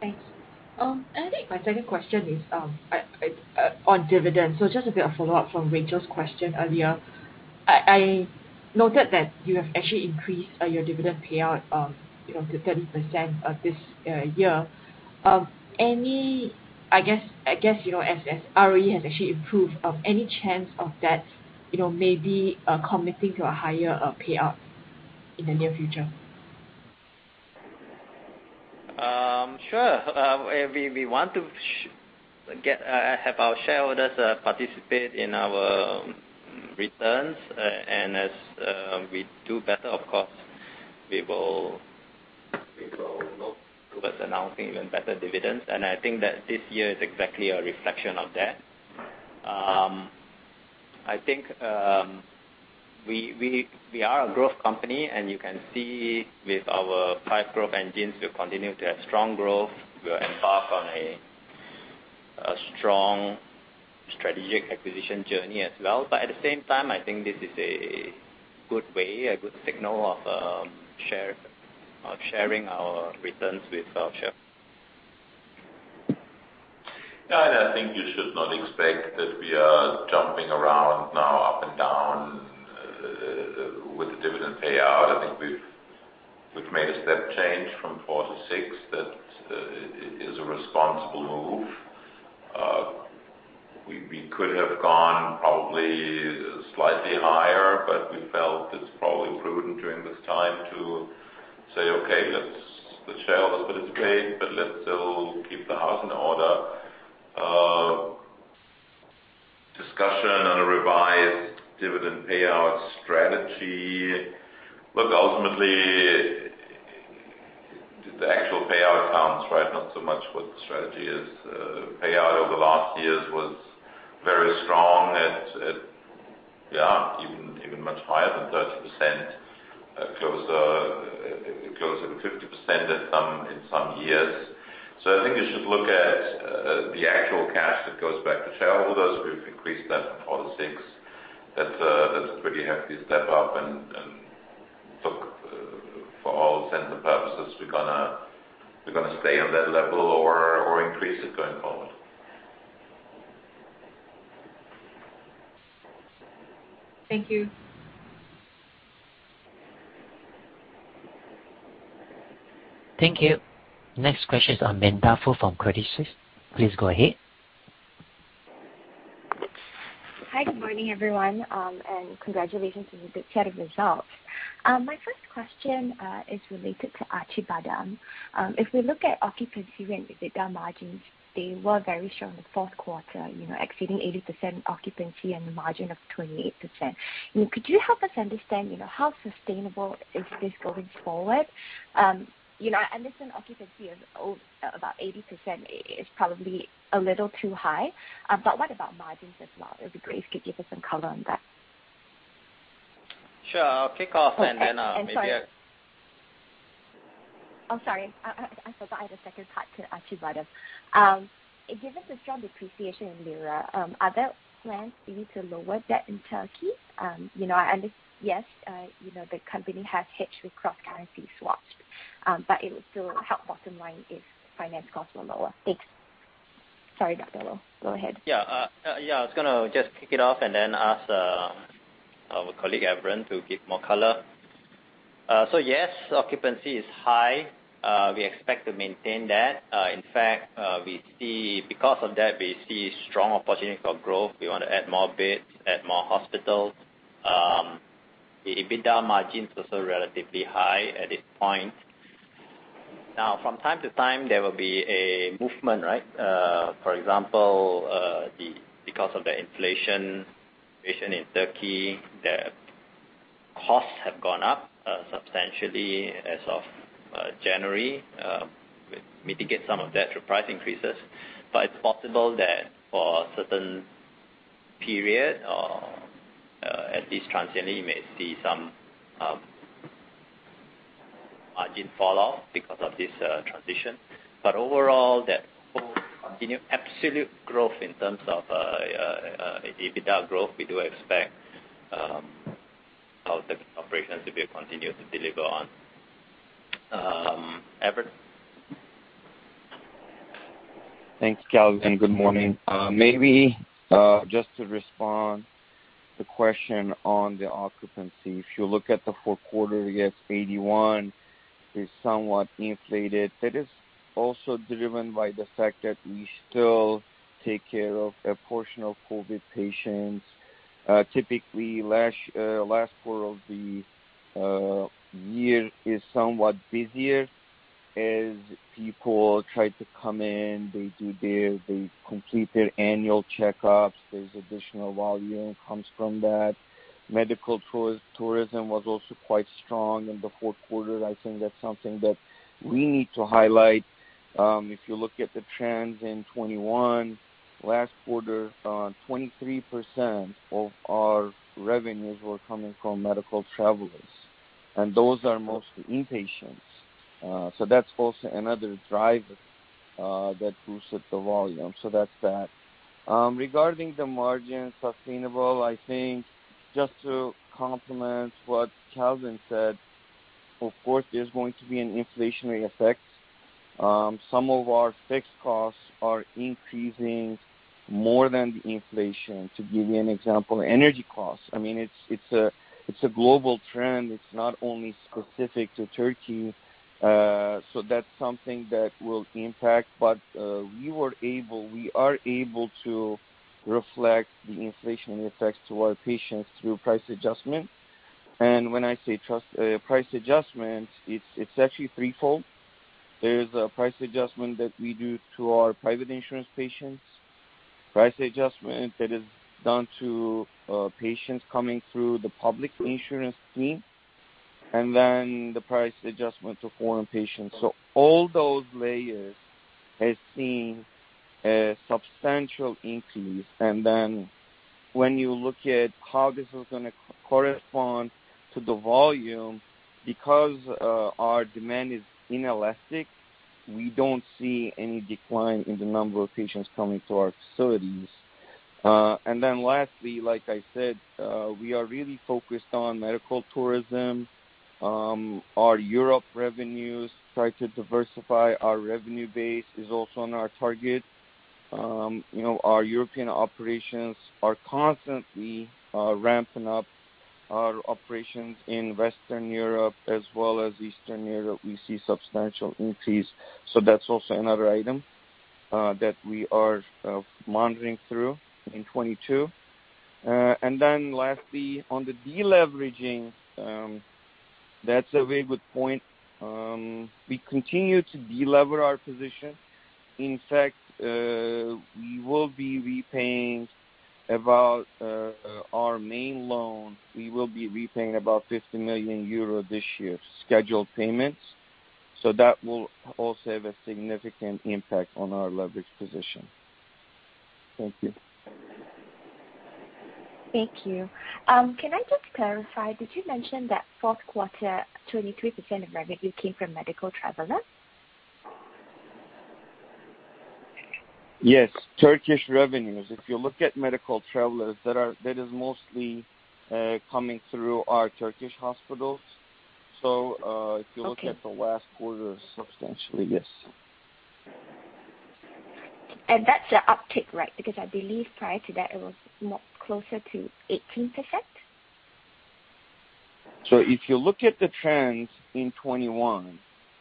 Thanks. I think my second question is on dividends. Just a bit of follow-up from Rachel's question earlier. I noted that you have actually increased your dividend payout, you know, to 30%, this year. I guess, you know, as ROE has actually improved, any chance of that, you know, maybe committing to a higher payout in the near future? Sure. We want to have our shareholders participate in our returns, and as we do better, of course, we will look towards announcing even better dividends. I think that this year is exactly a reflection of that. I think we are a growth company, and you can see with our five growth engines, we continue to have strong growth. We are embarked on a strong strategic acquisition journey as well. At the same time, I think this is a good way, a good signal of sharing our returns with our shareholders. Yeah. I think you should not expect that we are jumping around now up and down with the dividend payout. I think we've made a step change from 40 to 60 that is a responsible move. We could have gone probably slightly higher, but we felt it's probably prudent during this time to say, "Okay, the shareholders participate, but let's still keep the house in order." Discussion on a revised dividend payout strategy. Look, ultimately, the actual payout counts, right? Not so much what the strategy is. Payout over the last years was very strong at Yeah, even much higher than 30%, closer to 50% in some years. I think you should look at the actual cash that goes back to shareholders. We've increased that for FY 2016. That's a pretty hefty step up. Look, for all intents and purposes, we're gonna stay on that level or increase it going forward. Thank you. Thank you. Next question is on Mandavi from Credit Suisse. Please go ahead. Hi. Good morning, everyone. Congratulations on the good set of results. My first question is related to Acibadem. If we look at occupancy and EBITDA margins, they were very strong in the fourth quarter, you know, exceeding 80% occupancy and a margin of 28%. Could you help us understand, you know, how sustainable is this going forward? You know, I understand occupancy is about 80% is probably a little too high, but what about margins as well? It'd be great if you could give us some color on that. Sure. I'll kick off and then, maybe. Oh, sorry. I forgot I had a second part to Acıbadem. Given the strong depreciation in lira, are there plans maybe to lower debt in Turkey? You know, the company has hedged with cross-currency swaps, but it would still help bottom line if finance costs were lower. Thanks. Sorry about that, though. Go ahead. I was gonna just kick it off and then ask our colleague, Evren, to give more color. So yes, occupancy is high. We expect to maintain that. In fact, because of that, we see strong opportunity for growth. We want to add more beds, add more hospitals. The EBITDA margins were so relatively high at this point. Now, from time to time there will be a movement, right? For example, because of the inflation situation in Turkey, the costs have gone up substantially as of January. We mitigate some of that through price increases. It's possible that for a certain period or at least transiently, you may see some margin fall off because of this transition. Overall, that will continue absolute growth in terms of EBITDA growth. We do expect our operations to be continued to deliver on. Evren? Thanks, Kelvin, and good morning. Maybe just to respond to the question on the occupancy. If you look at the fourth quarter, yes, 81 is somewhat inflated. That is also driven by the fact that we still take care of a portion of COVID patients. Typically, last quarter of the year is somewhat busier as people try to come in, they complete their annual checkups. There's additional volume that comes from that. Medical tourism was also quite strong in the fourth quarter. I think that's something that we need to highlight. If you look at the trends in 2021, last quarter, 23% of our revenues were coming from medical travelers, and those are mostly inpatients. That's also another driver that boosted the volume. That's that. Regarding the margin sustainable, I think just to complement what Calvin said, of course, there's going to be an inflationary effect. Some of our fixed costs are increasing more than the inflation. To give you an example, energy costs. I mean, it's a global trend. It's not only specific to Turkey. So that's something that will impact. We are able to reflect the inflationary effects to our patients through price adjustment. When I say this price adjustment, it's actually threefold. There is a price adjustment that we do to our private insurance patients, price adjustment that is done to patients coming through the public insurance scheme, and then the price adjustment to foreign patients. All those layers has seen a substantial increase. When you look at how this is gonna correspond to the volume, because our demand is inelastic, we don't see any decline in the number of patients coming to our facilities. Lastly, like I said, we are really focused on medical tourism. Our European revenues try to diversify. Our revenue base is also on our target. You know, our European operations are constantly ramping up our operations in Western Europe as well as Eastern Europe. We see substantial increase. That's also another item that we are monitoring through 2022. Lastly, on the deleveraging, that's a very good point. We continue to delever our position. In fact, we will be repaying about 50 million euro this year, scheduled payments. That will also have a significant impact on our leverage position. Thank you. Thank you. Can I just clarify, did you mention that fourth quarter, 23% of revenue came from medical travelers? Yes. Turkish revenues. If you look at medical travelers, that is mostly coming through our Turkish hospitals. Okay. If you look at the last quarter, substantially, yes. That's an uptick, right? Because I believe prior to that it was more closer to 18%. If you look at the trends in 2021,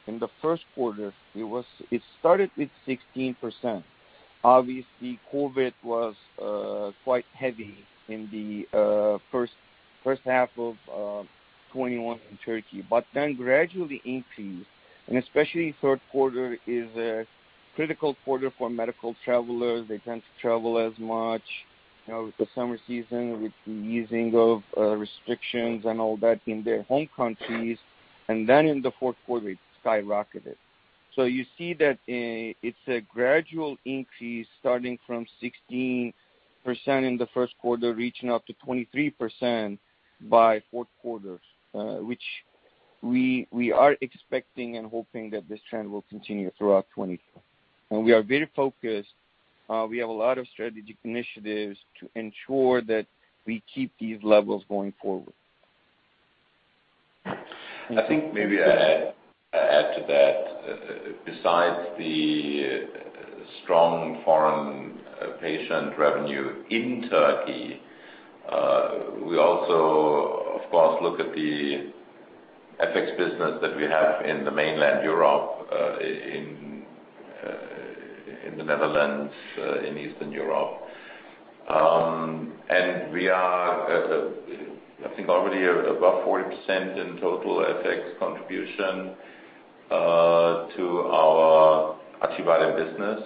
in the first quarter, it started with 16%. Obviously, COVID was quite heavy in the first half of 2021 in Turkey, but then gradually increased. Especially third quarter is a critical quarter for medical travelers. They tend to travel as much, you know, with the summer season, with the easing of restrictions and all that in their home countries. Then in the fourth quarter, it skyrocketed. You see that it's a gradual increase starting from 16% in the first quarter, reaching up to 23% by fourth quarter, which we are expecting and hoping that this trend will continue throughout 2022. We are very focused. We have a lot of strategic initiatives to ensure that we keep these levels going forward. I think maybe I add to that. Besides the strong foreign patient revenue in Turkey, we also of course look at the FX business that we have in the mainland Europe, in the Netherlands, in Eastern Europe. We are at, I think, already above 40% in total FX contribution to our Acibadem business.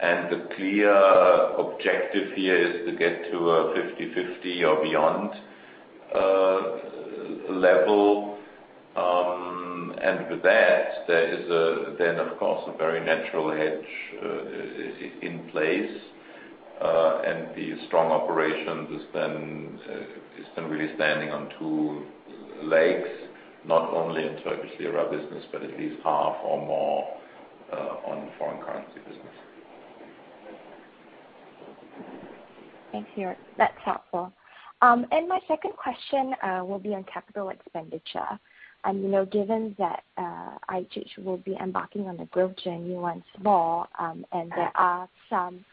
The clear objective here is to get to a 50-50 or beyond level. With that there is then of course a very natural hedge in place. The strong operations is then really standing on two legs, not only in Turkish lira business but at least half or more on foreign currency business. Thanks, Jeorg. That's helpful. My second question will be on capital expenditure. You know, given that IHH will be embarking on the growth journey once more, and there are some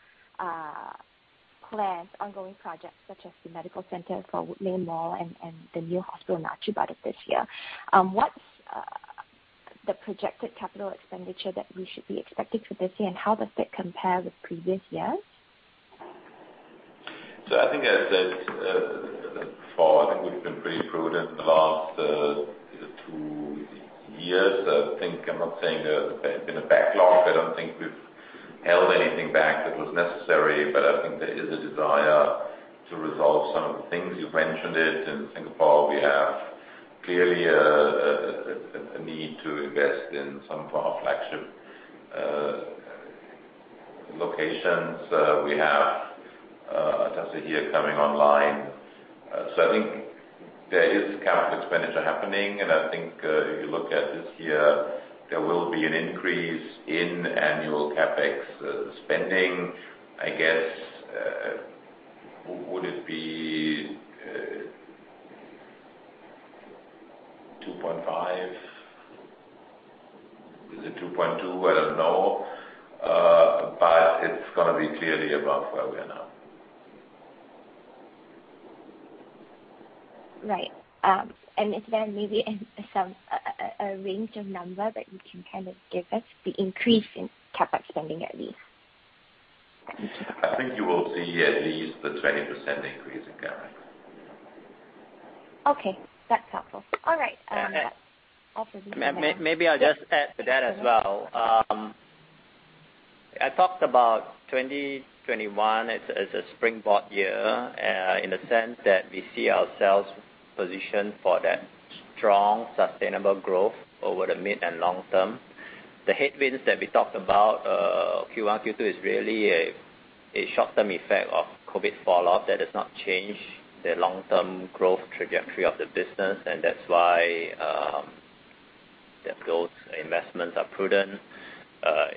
plans, ongoing projects such as the medical center for The Woodleigh Mall and the new hospital in Acibadem this year, what's the projected capital expenditure that we should be expecting for this year, and how does it compare with previous years? I think I said before, I think we've been pretty prudent in the last 2 years. I think I'm not saying there's been a backlog. I don't think we've held anything back that was necessary. I think there is a desire to resolve some of the things you've mentioned in Singapore. We have clearly a need to invest in some of our flagship locations. We have Ataşehir coming online. I think there is capital expenditure happening. I think if you look at this year, there will be an increase in annual CapEx spending. I guess would it be 2.5? Is it 2.2? I don't know. But it's gonna be clearly above where we are now. Right. Is there maybe a range of number that you can kind of give us the increase in CapEx spending at least? I think you will see at least a 20% increase in CapEx. Okay. That's helpful. All right. That's all for me. Maybe I'll just add to that as well. I talked about 2021 as a springboard year in the sense that we see ourselves positioned for that strong sustainable growth over the mid and long term. The headwinds that we talked about Q1, Q2 is really a short-term effect of COVID fallout that has not changed the long-term growth trajectory of the business. That's why those investments are prudent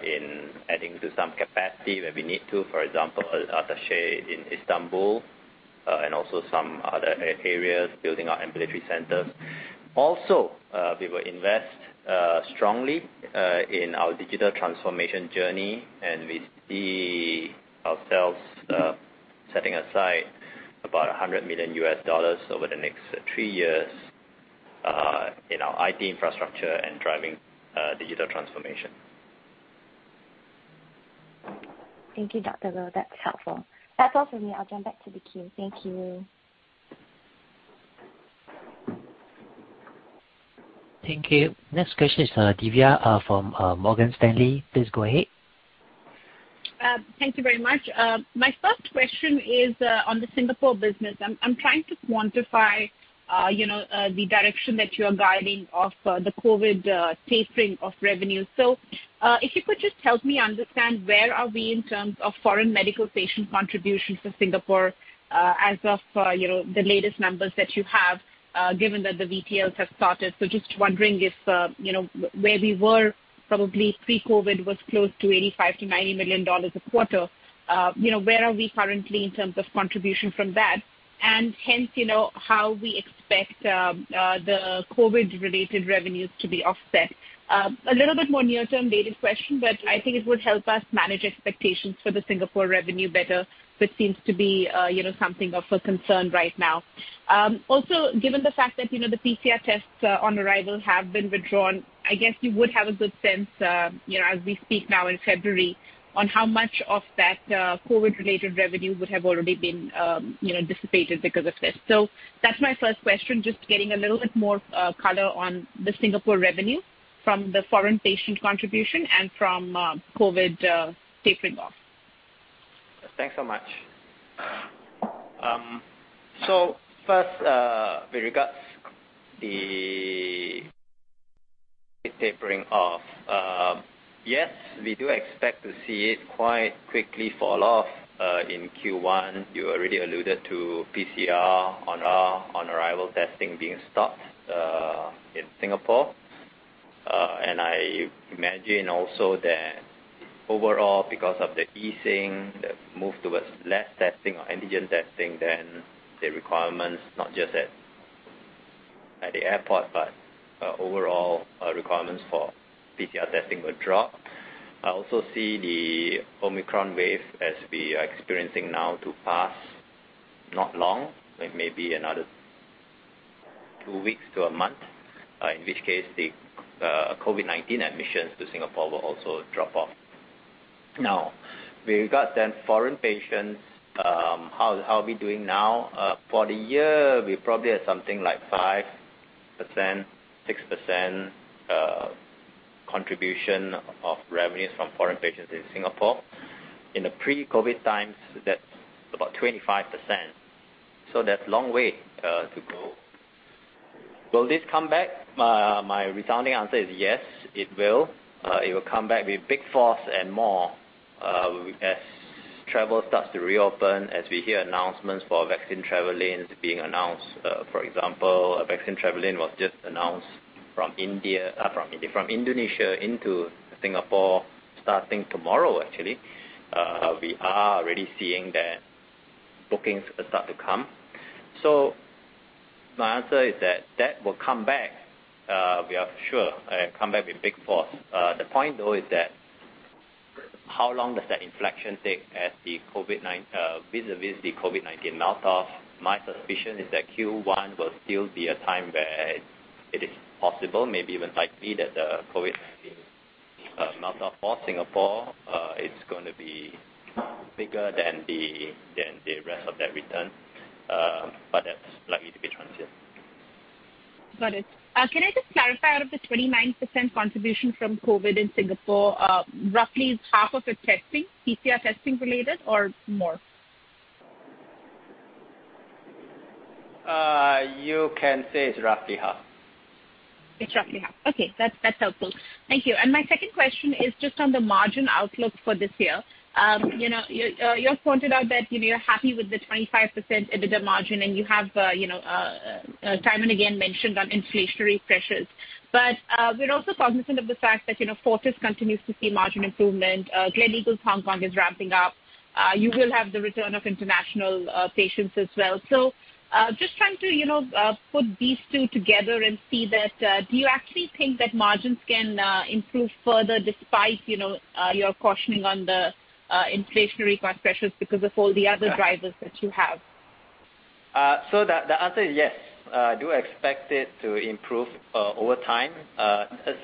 in adding to some capacity where we need to, for example, Ataşehir in Istanbul, and also some other areas building our ambulatory centers. Also, we will invest strongly in our digital transformation journey, and we see ourselves setting aside about $100 million over the next three years in our IT infrastructure and driving digital transformation. Thank you, Dr. Loh. That's helpful. That's all for me. I'll jump back to the queue. Thank you. Thank you. Next question is, Divya, from Morgan Stanley. Please go ahead. Thank you very much. My first question is on the Singapore business. I'm trying to quantify, you know, the direction that you are guiding of the COVID tapering of revenue. If you could just help me understand where are we in terms of foreign medical patient contributions to Singapore, as of, you know, the latest numbers that you have, given that the VTLs have started. Just wondering if, you know, where we were probably pre-COVID was close to $85 million-$90 million a quarter. You know, where are we currently in terms of contribution from that? And hence, you know, how we expect the COVID-related revenues to be offset. A little bit more near-term dated question, but I think it would help us manage expectations for the Singapore revenue better, which seems to be, you know, something of a concern right now. Also, given the fact that, you know, the PCR tests on arrival have been withdrawn, I guess you would have a good sense, you know, as we speak now in February, on how much of that, COVID-related revenue would have already been, you know, dissipated because of this. That's my first question, just getting a little bit more color on the Singapore revenue from the foreign patient contribution and from COVID tapering off. Thanks so much. First, with regards the tapering off, yes, we do expect to see it quite quickly fall off in Q1. You already alluded to PCR on arrival testing being stopped in Singapore. I imagine also that overall, because of the easing, the move towards less testing or antigen testing than the requirements, not just at the airport, but overall, requirements for PCR testing will drop. I also see the Omicron wave as we are experiencing now to pass, not long, like maybe another two weeks to a month, in which case the COVID-19 admissions to Singapore will also drop off. Now, with regards foreign patients, how are we doing now? For the year, we probably have something like 5%, 6% contribution of revenues from foreign patients in Singapore. In the pre-COVID times, that's about 25%, so there's long way to go. Will this come back? My resounding answer is yes, it will. It will come back with big force and more as travel starts to reopen, as we hear announcements for vaccine travel lanes being announced. For example, a vaccine travel lane was just announced from India, from Indonesia into Singapore starting tomorrow, actually. We are already seeing that bookings start to come. So my answer is that will come back, we are sure, come back with big force. The point, though, is that how long does that inflection take vis-a-vis the COVID-19 melt off? My suspicion is that Q1 will still be a time where it is possible, maybe even likely, that the COVID-19 melt off for Singapore is gonna be bigger than the rest of that return, but that's likely to be transient. Got it. Can I just clarify, out of the 29% contribution from COVID in Singapore, roughly half of it testing, PCR testing related, or more? You can say it's roughly half. It's roughly half. Okay. That's helpful. Thank you. My second question is just on the margin outlook for this year. You know, you have pointed out that, you know, you're happy with the 25% EBITDA margin, and you have, you know, time and again mentioned on inflationary pressures. We're also cognizant of the fact that, you know, Fortis continues to see margin improvement, Gleneagles Hong Kong is ramping up. You will have the return of international patients as well. Just trying to, you know, put these two together and see that, do you actually think that margins can improve further despite, you know, your cautioning on the, inflationary cost pressures because of all the other drivers that you have? The answer is yes. I do expect it to improve over time.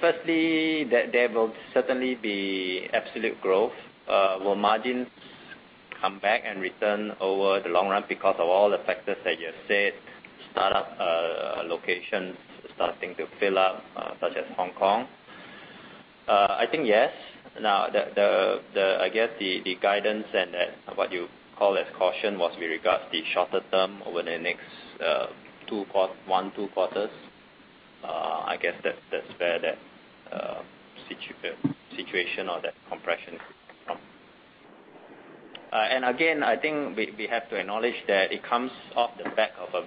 Firstly, there will certainly be absolute growth. Will margins come back and return over the long run because of all the factors that you have said, startup locations starting to fill up, such as Hong Kong? I think yes. Now, the guidance and what you call caution was with regards the shorter term over the next one, two quarters. I guess that's where that situation or that compression comes from. I think we have to acknowledge that it comes off the back of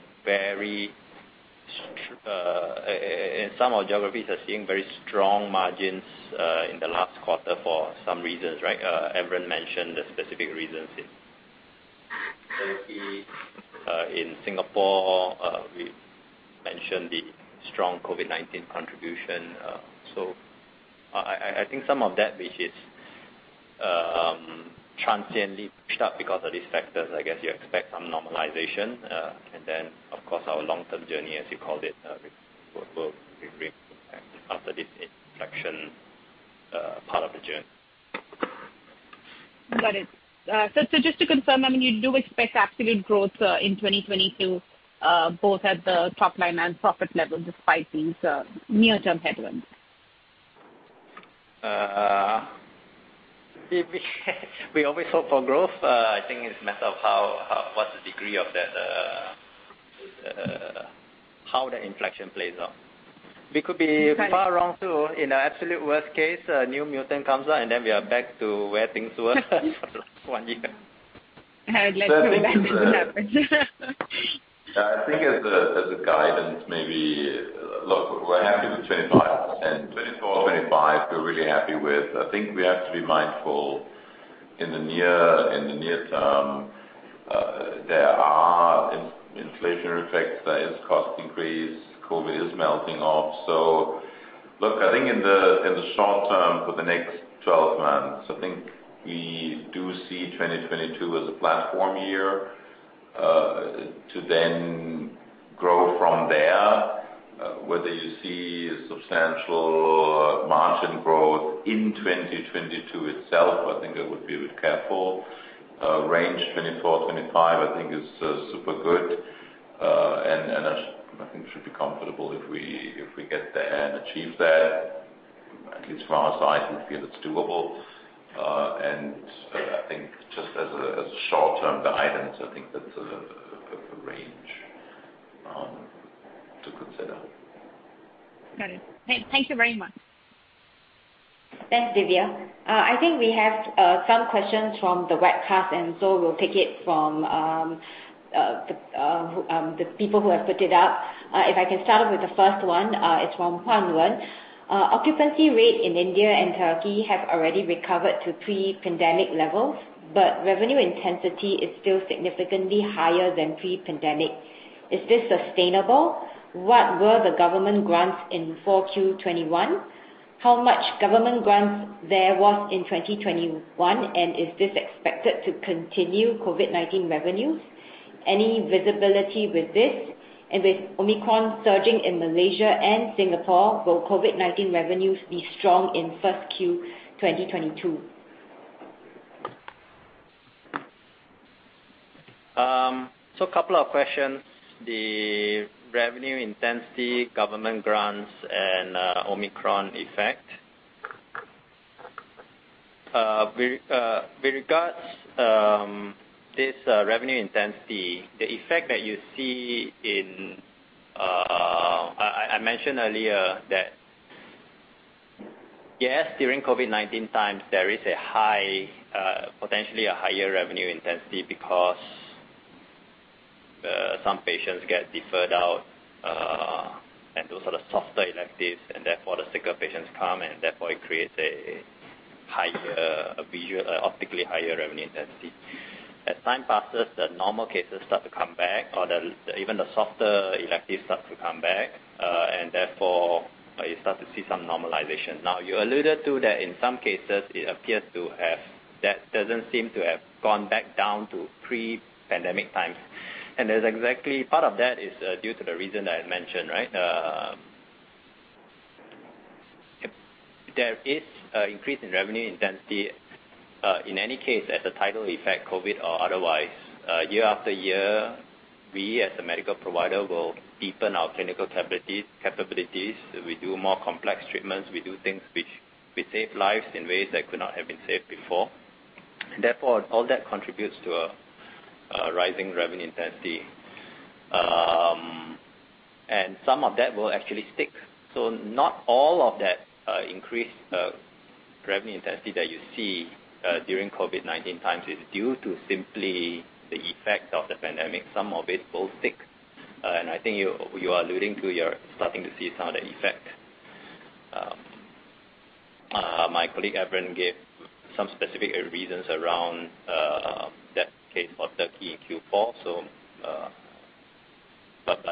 some of our geographies are seeing very strong margins in the last quarter for some reasons, right? Evren mentioned the specific reasons in Turkey. In Singapore, we mentioned the strong COVID-19 contribution. I think some of that which is transiently pushed up because of these factors, I guess you expect some normalization. Of course, our long-term journey, as you called it, will re-impact after this inflection part of the journey. Got it. Just to confirm, I mean, you do expect absolute growth in 2022 both at the top line and profit level despite these near-term headwinds? We always hope for growth. I think it's a matter of how what's the degree of that, how the inflection plays out. We could be far wrong too. In an absolute worst case, a new mutant comes out, and then we are back to where things were for the last one year. I'd like to imagine that happens. I think as a guidance, we're happy with 25%. 24%-25% we're really happy with. I think we have to be mindful in the near term, there are inflationary effects. There is cost increase. COVID is melting off. I think in the short term, for the next 12 months, I think we do see 2022 as a platform year to then grow from there. Whether you see a substantial margin growth in 2022 itself, I think I would be a bit careful. 24%-25% range I think is super good. I think we should be comfortable if we get there and achieve that, at least from our side, we feel it's doable. I think just as a short-term guidance, I think that's a perfect range to consider. Got it. Thank you very much. Thanks, Divya. I think we have some questions from the webcast, and so we'll take it from the people who have put it up. If I can start off with the first one, it's from Huan Wen. Occupancy rate in India and Turkey have already recovered to pre-pandemic levels, but revenue intensity is still significantly higher than pre-pandemic. Is this sustainable? What were the government grants in 4Q 2021? How much government grants there was in 2021, and is this expected to continue COVID-19 revenues? Any visibility with this? With Omicron surging in Malaysia and Singapore, will COVID-19 revenues be strong in 1Q 2022? A couple of questions. The revenue intensity, government grants and Omicron effect. With regards to this revenue intensity, the effect that you see, I mentioned earlier that, yes, during COVID-19 times, there is potentially a higher revenue intensity because some patients get deferred out and those are the softer electives, and therefore the sicker patients come, and therefore it creates a higher visually, optically higher revenue intensity. As time passes, the normal cases start to come back or even the softer electives start to come back and therefore you start to see some normalization. Now, you alluded to that in some cases, it appears to have that doesn't seem to have gone back down to pre-pandemic times. That's exactly, part of that is due to the reason I had mentioned, right? There is increase in revenue intensity in any case as a tidal effect, COVID or otherwise. Year after year, we as a medical provider will deepen our clinical capabilities. We do more complex treatments. We do things which we save lives in ways that could not have been saved before. Therefore, all that contributes to a rising revenue intensity. Some of that will actually stick. Not all of that increased revenue intensity that you see during COVID-19 times is due to simply the effect of the pandemic. Some of it will stick, and I think you are alluding to you're starting to see some of the effect. My colleague, Evren, gave some specific reasons around that case for Turkey in Q4.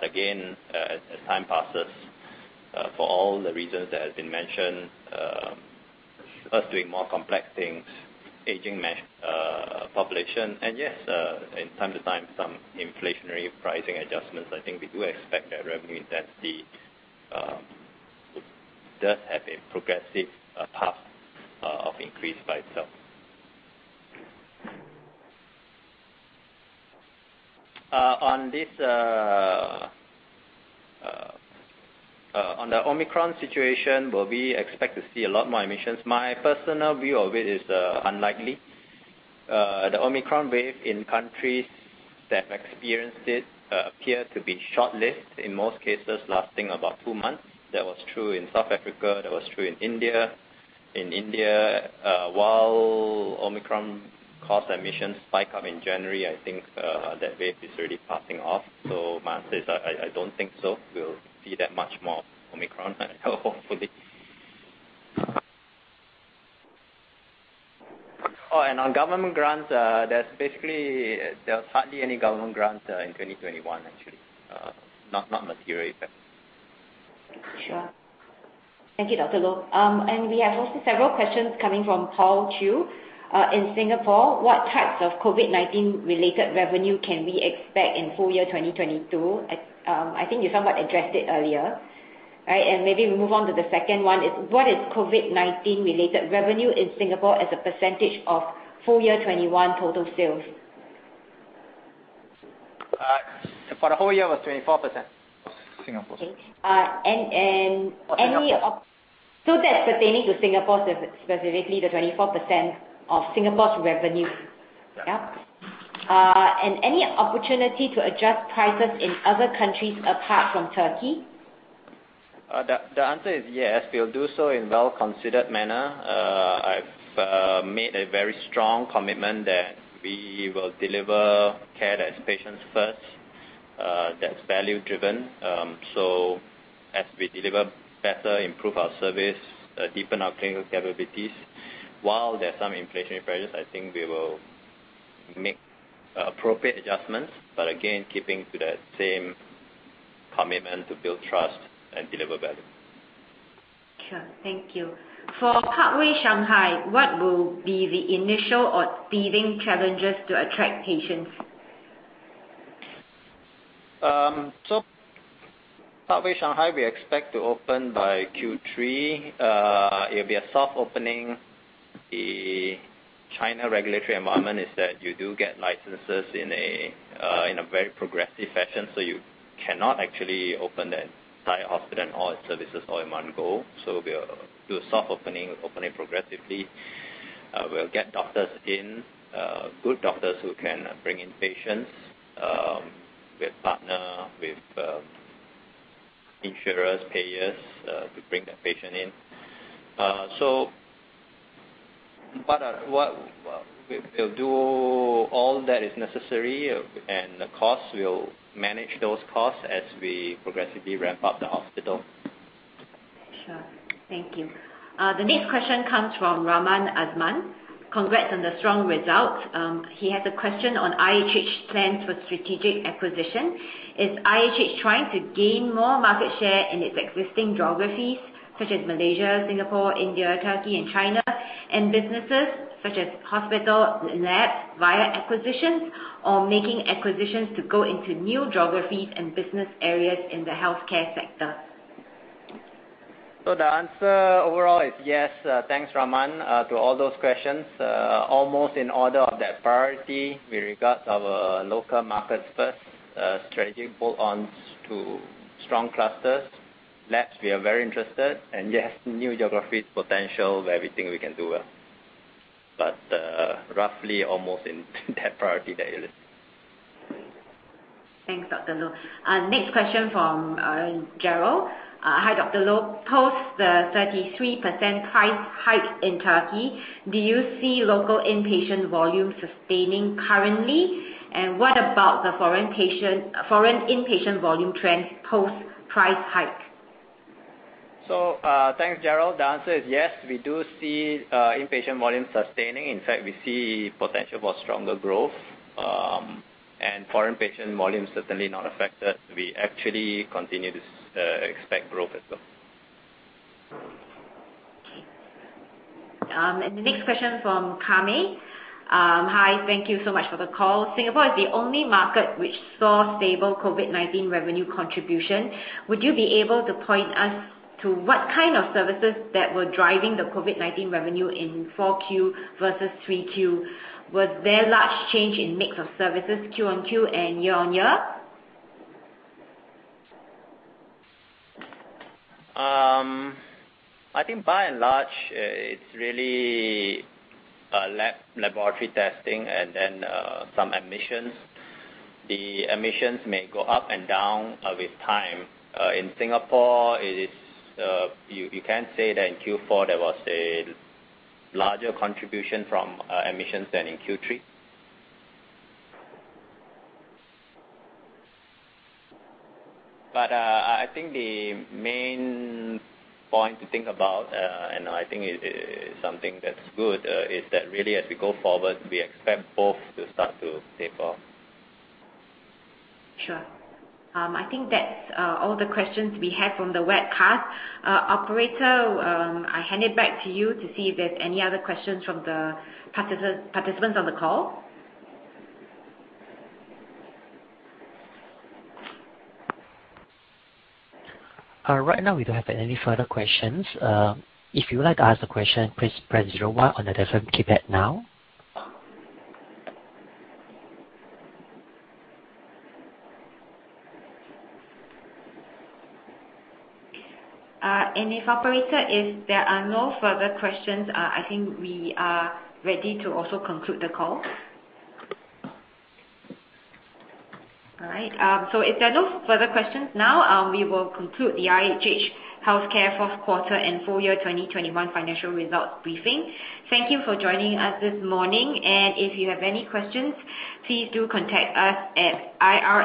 Again, as time passes, for all the reasons that have been mentioned, us doing more complex things, aging population, and yes, from time to time some inflationary pricing adjustments, I think we do expect that revenue intensity does have a progressive path of increase by itself. On the Omicron situation, will we expect to see a lot more admissions? My personal view of it is unlikely. The Omicron wave in countries that have experienced it appear to be short-lived, in most cases, lasting about two months. That was true in South Africa. That was true in India. In India, while Omicron caused admissions to spike up in January, I think that wave is really passing off. My answer is I don't think so, we'll see that much more Omicron, hopefully. Oh, and on government grants, that's basically there was hardly any government grants in 2021, actually. Not materially, anyway. Sure. Thank you, Dr. Loh. We have also several questions coming from Paul Chu. In Singapore, what types of COVID-19 related revenue can we expect in full year 2022? I think you somewhat addressed it earlier, right? Maybe we move on to the second one. What is COVID-19 related revenue in Singapore as a percentage of full year 2021 total sales? For the whole year was 24%. Singapore. That's pertaining to Singapore specifically, the 24% of Singapore's revenue. Yeah. Yeah. Any opportunity to adjust prices in other countries apart from Turkey? The answer is yes. We'll do so in well-considered manner. I've made a very strong commitment that we will deliver care that's patients first, that's value driven. As we deliver better, improve our service, deepen our clinical capabilities, while there's some inflationary pressures, I think we will make appropriate adjustments. Again, keeping to that same commitment to build trust and deliver value. Sure. Thank you. For Parkway Shanghai, what will be the initial or leading challenges to attract patients? Parkway Shanghai, we expect to open by Q3. It'll be a soft opening. The China regulatory environment is that you do get licenses in a very progressive fashion, so you cannot actually open the entire hospital and all its services all in one go. We'll do a soft opening progressively. We'll get doctors in, good doctors who can bring in patients. We'll partner with, insurers, payers, to bring the patient in. What we'll do all that is necessary, and the costs, we'll manage those costs as we progressively ramp up the hospital. The next question comes from Azman Mokhtar. Congrats on the strong results. He has a question on IHH plans for strategic acquisition. Is IHH trying to gain more market share in its existing geographies such as Malaysia, Singapore, India, Turkey and China, and businesses such as hospital labs via acquisitions or making acquisitions to go into new geographies and business areas in the healthcare sector? The answer overall is yes. Thanks, Raman, to all those questions. Almost in order of that priority, we regard our local markets first, strategic bolt-ons to strong clusters. Labs, we are very interested. Yes, new geographies, potential, everything we can do well, but roughly almost in that priority that you listed. Thanks, Dr. Loh. Next question from Gerald. Hi, Dr. Loh. Post the 33% price hike in Turkey, do you see local inpatient volumes sustaining currently? And what about the foreign patient, foreign inpatient volume trends post price hike? Thanks, Gerald. The answer is yes. We do see inpatient volumes sustaining. In fact, we see potential for stronger growth, and foreign patient volumes certainly not affected. We actually continue to expect growth as well. Okay. The next question from Kamei. Hi. Thank you so much for the call. Singapore is the only market which saw stable COVID-19 revenue contribution. Would you be able to point us to what kind of services that were driving the COVID-19 revenue in 4Q versus 3Q? Was there large change in mix of services Q on Q and year on year? I think by and large, it's really laboratory testing and then some admissions. The admissions may go up and down with time. In Singapore, you can say that in Q4 there was a larger contribution from admissions than in Q3. I think the main point to think about, and I think it is something that's good, is that really as we go forward, we expect both to start to taper. Sure. I think that's all the questions we have from the webcast. Operator, I hand it back to you to see if there's any other questions from the participants on the call. Uh, right now we don't have any further questions. Uh, if you would like to ask a question, please press zero one on the telephone keypad now. Operator, if there are no further questions, I think we are ready to also conclude the call. All right. If there are no further questions now, we will conclude the IHH Healthcare fourth quarter and full year 2021 financial results briefing. Thank you for joining us this morning, and if you have any questions, please do contact us at ir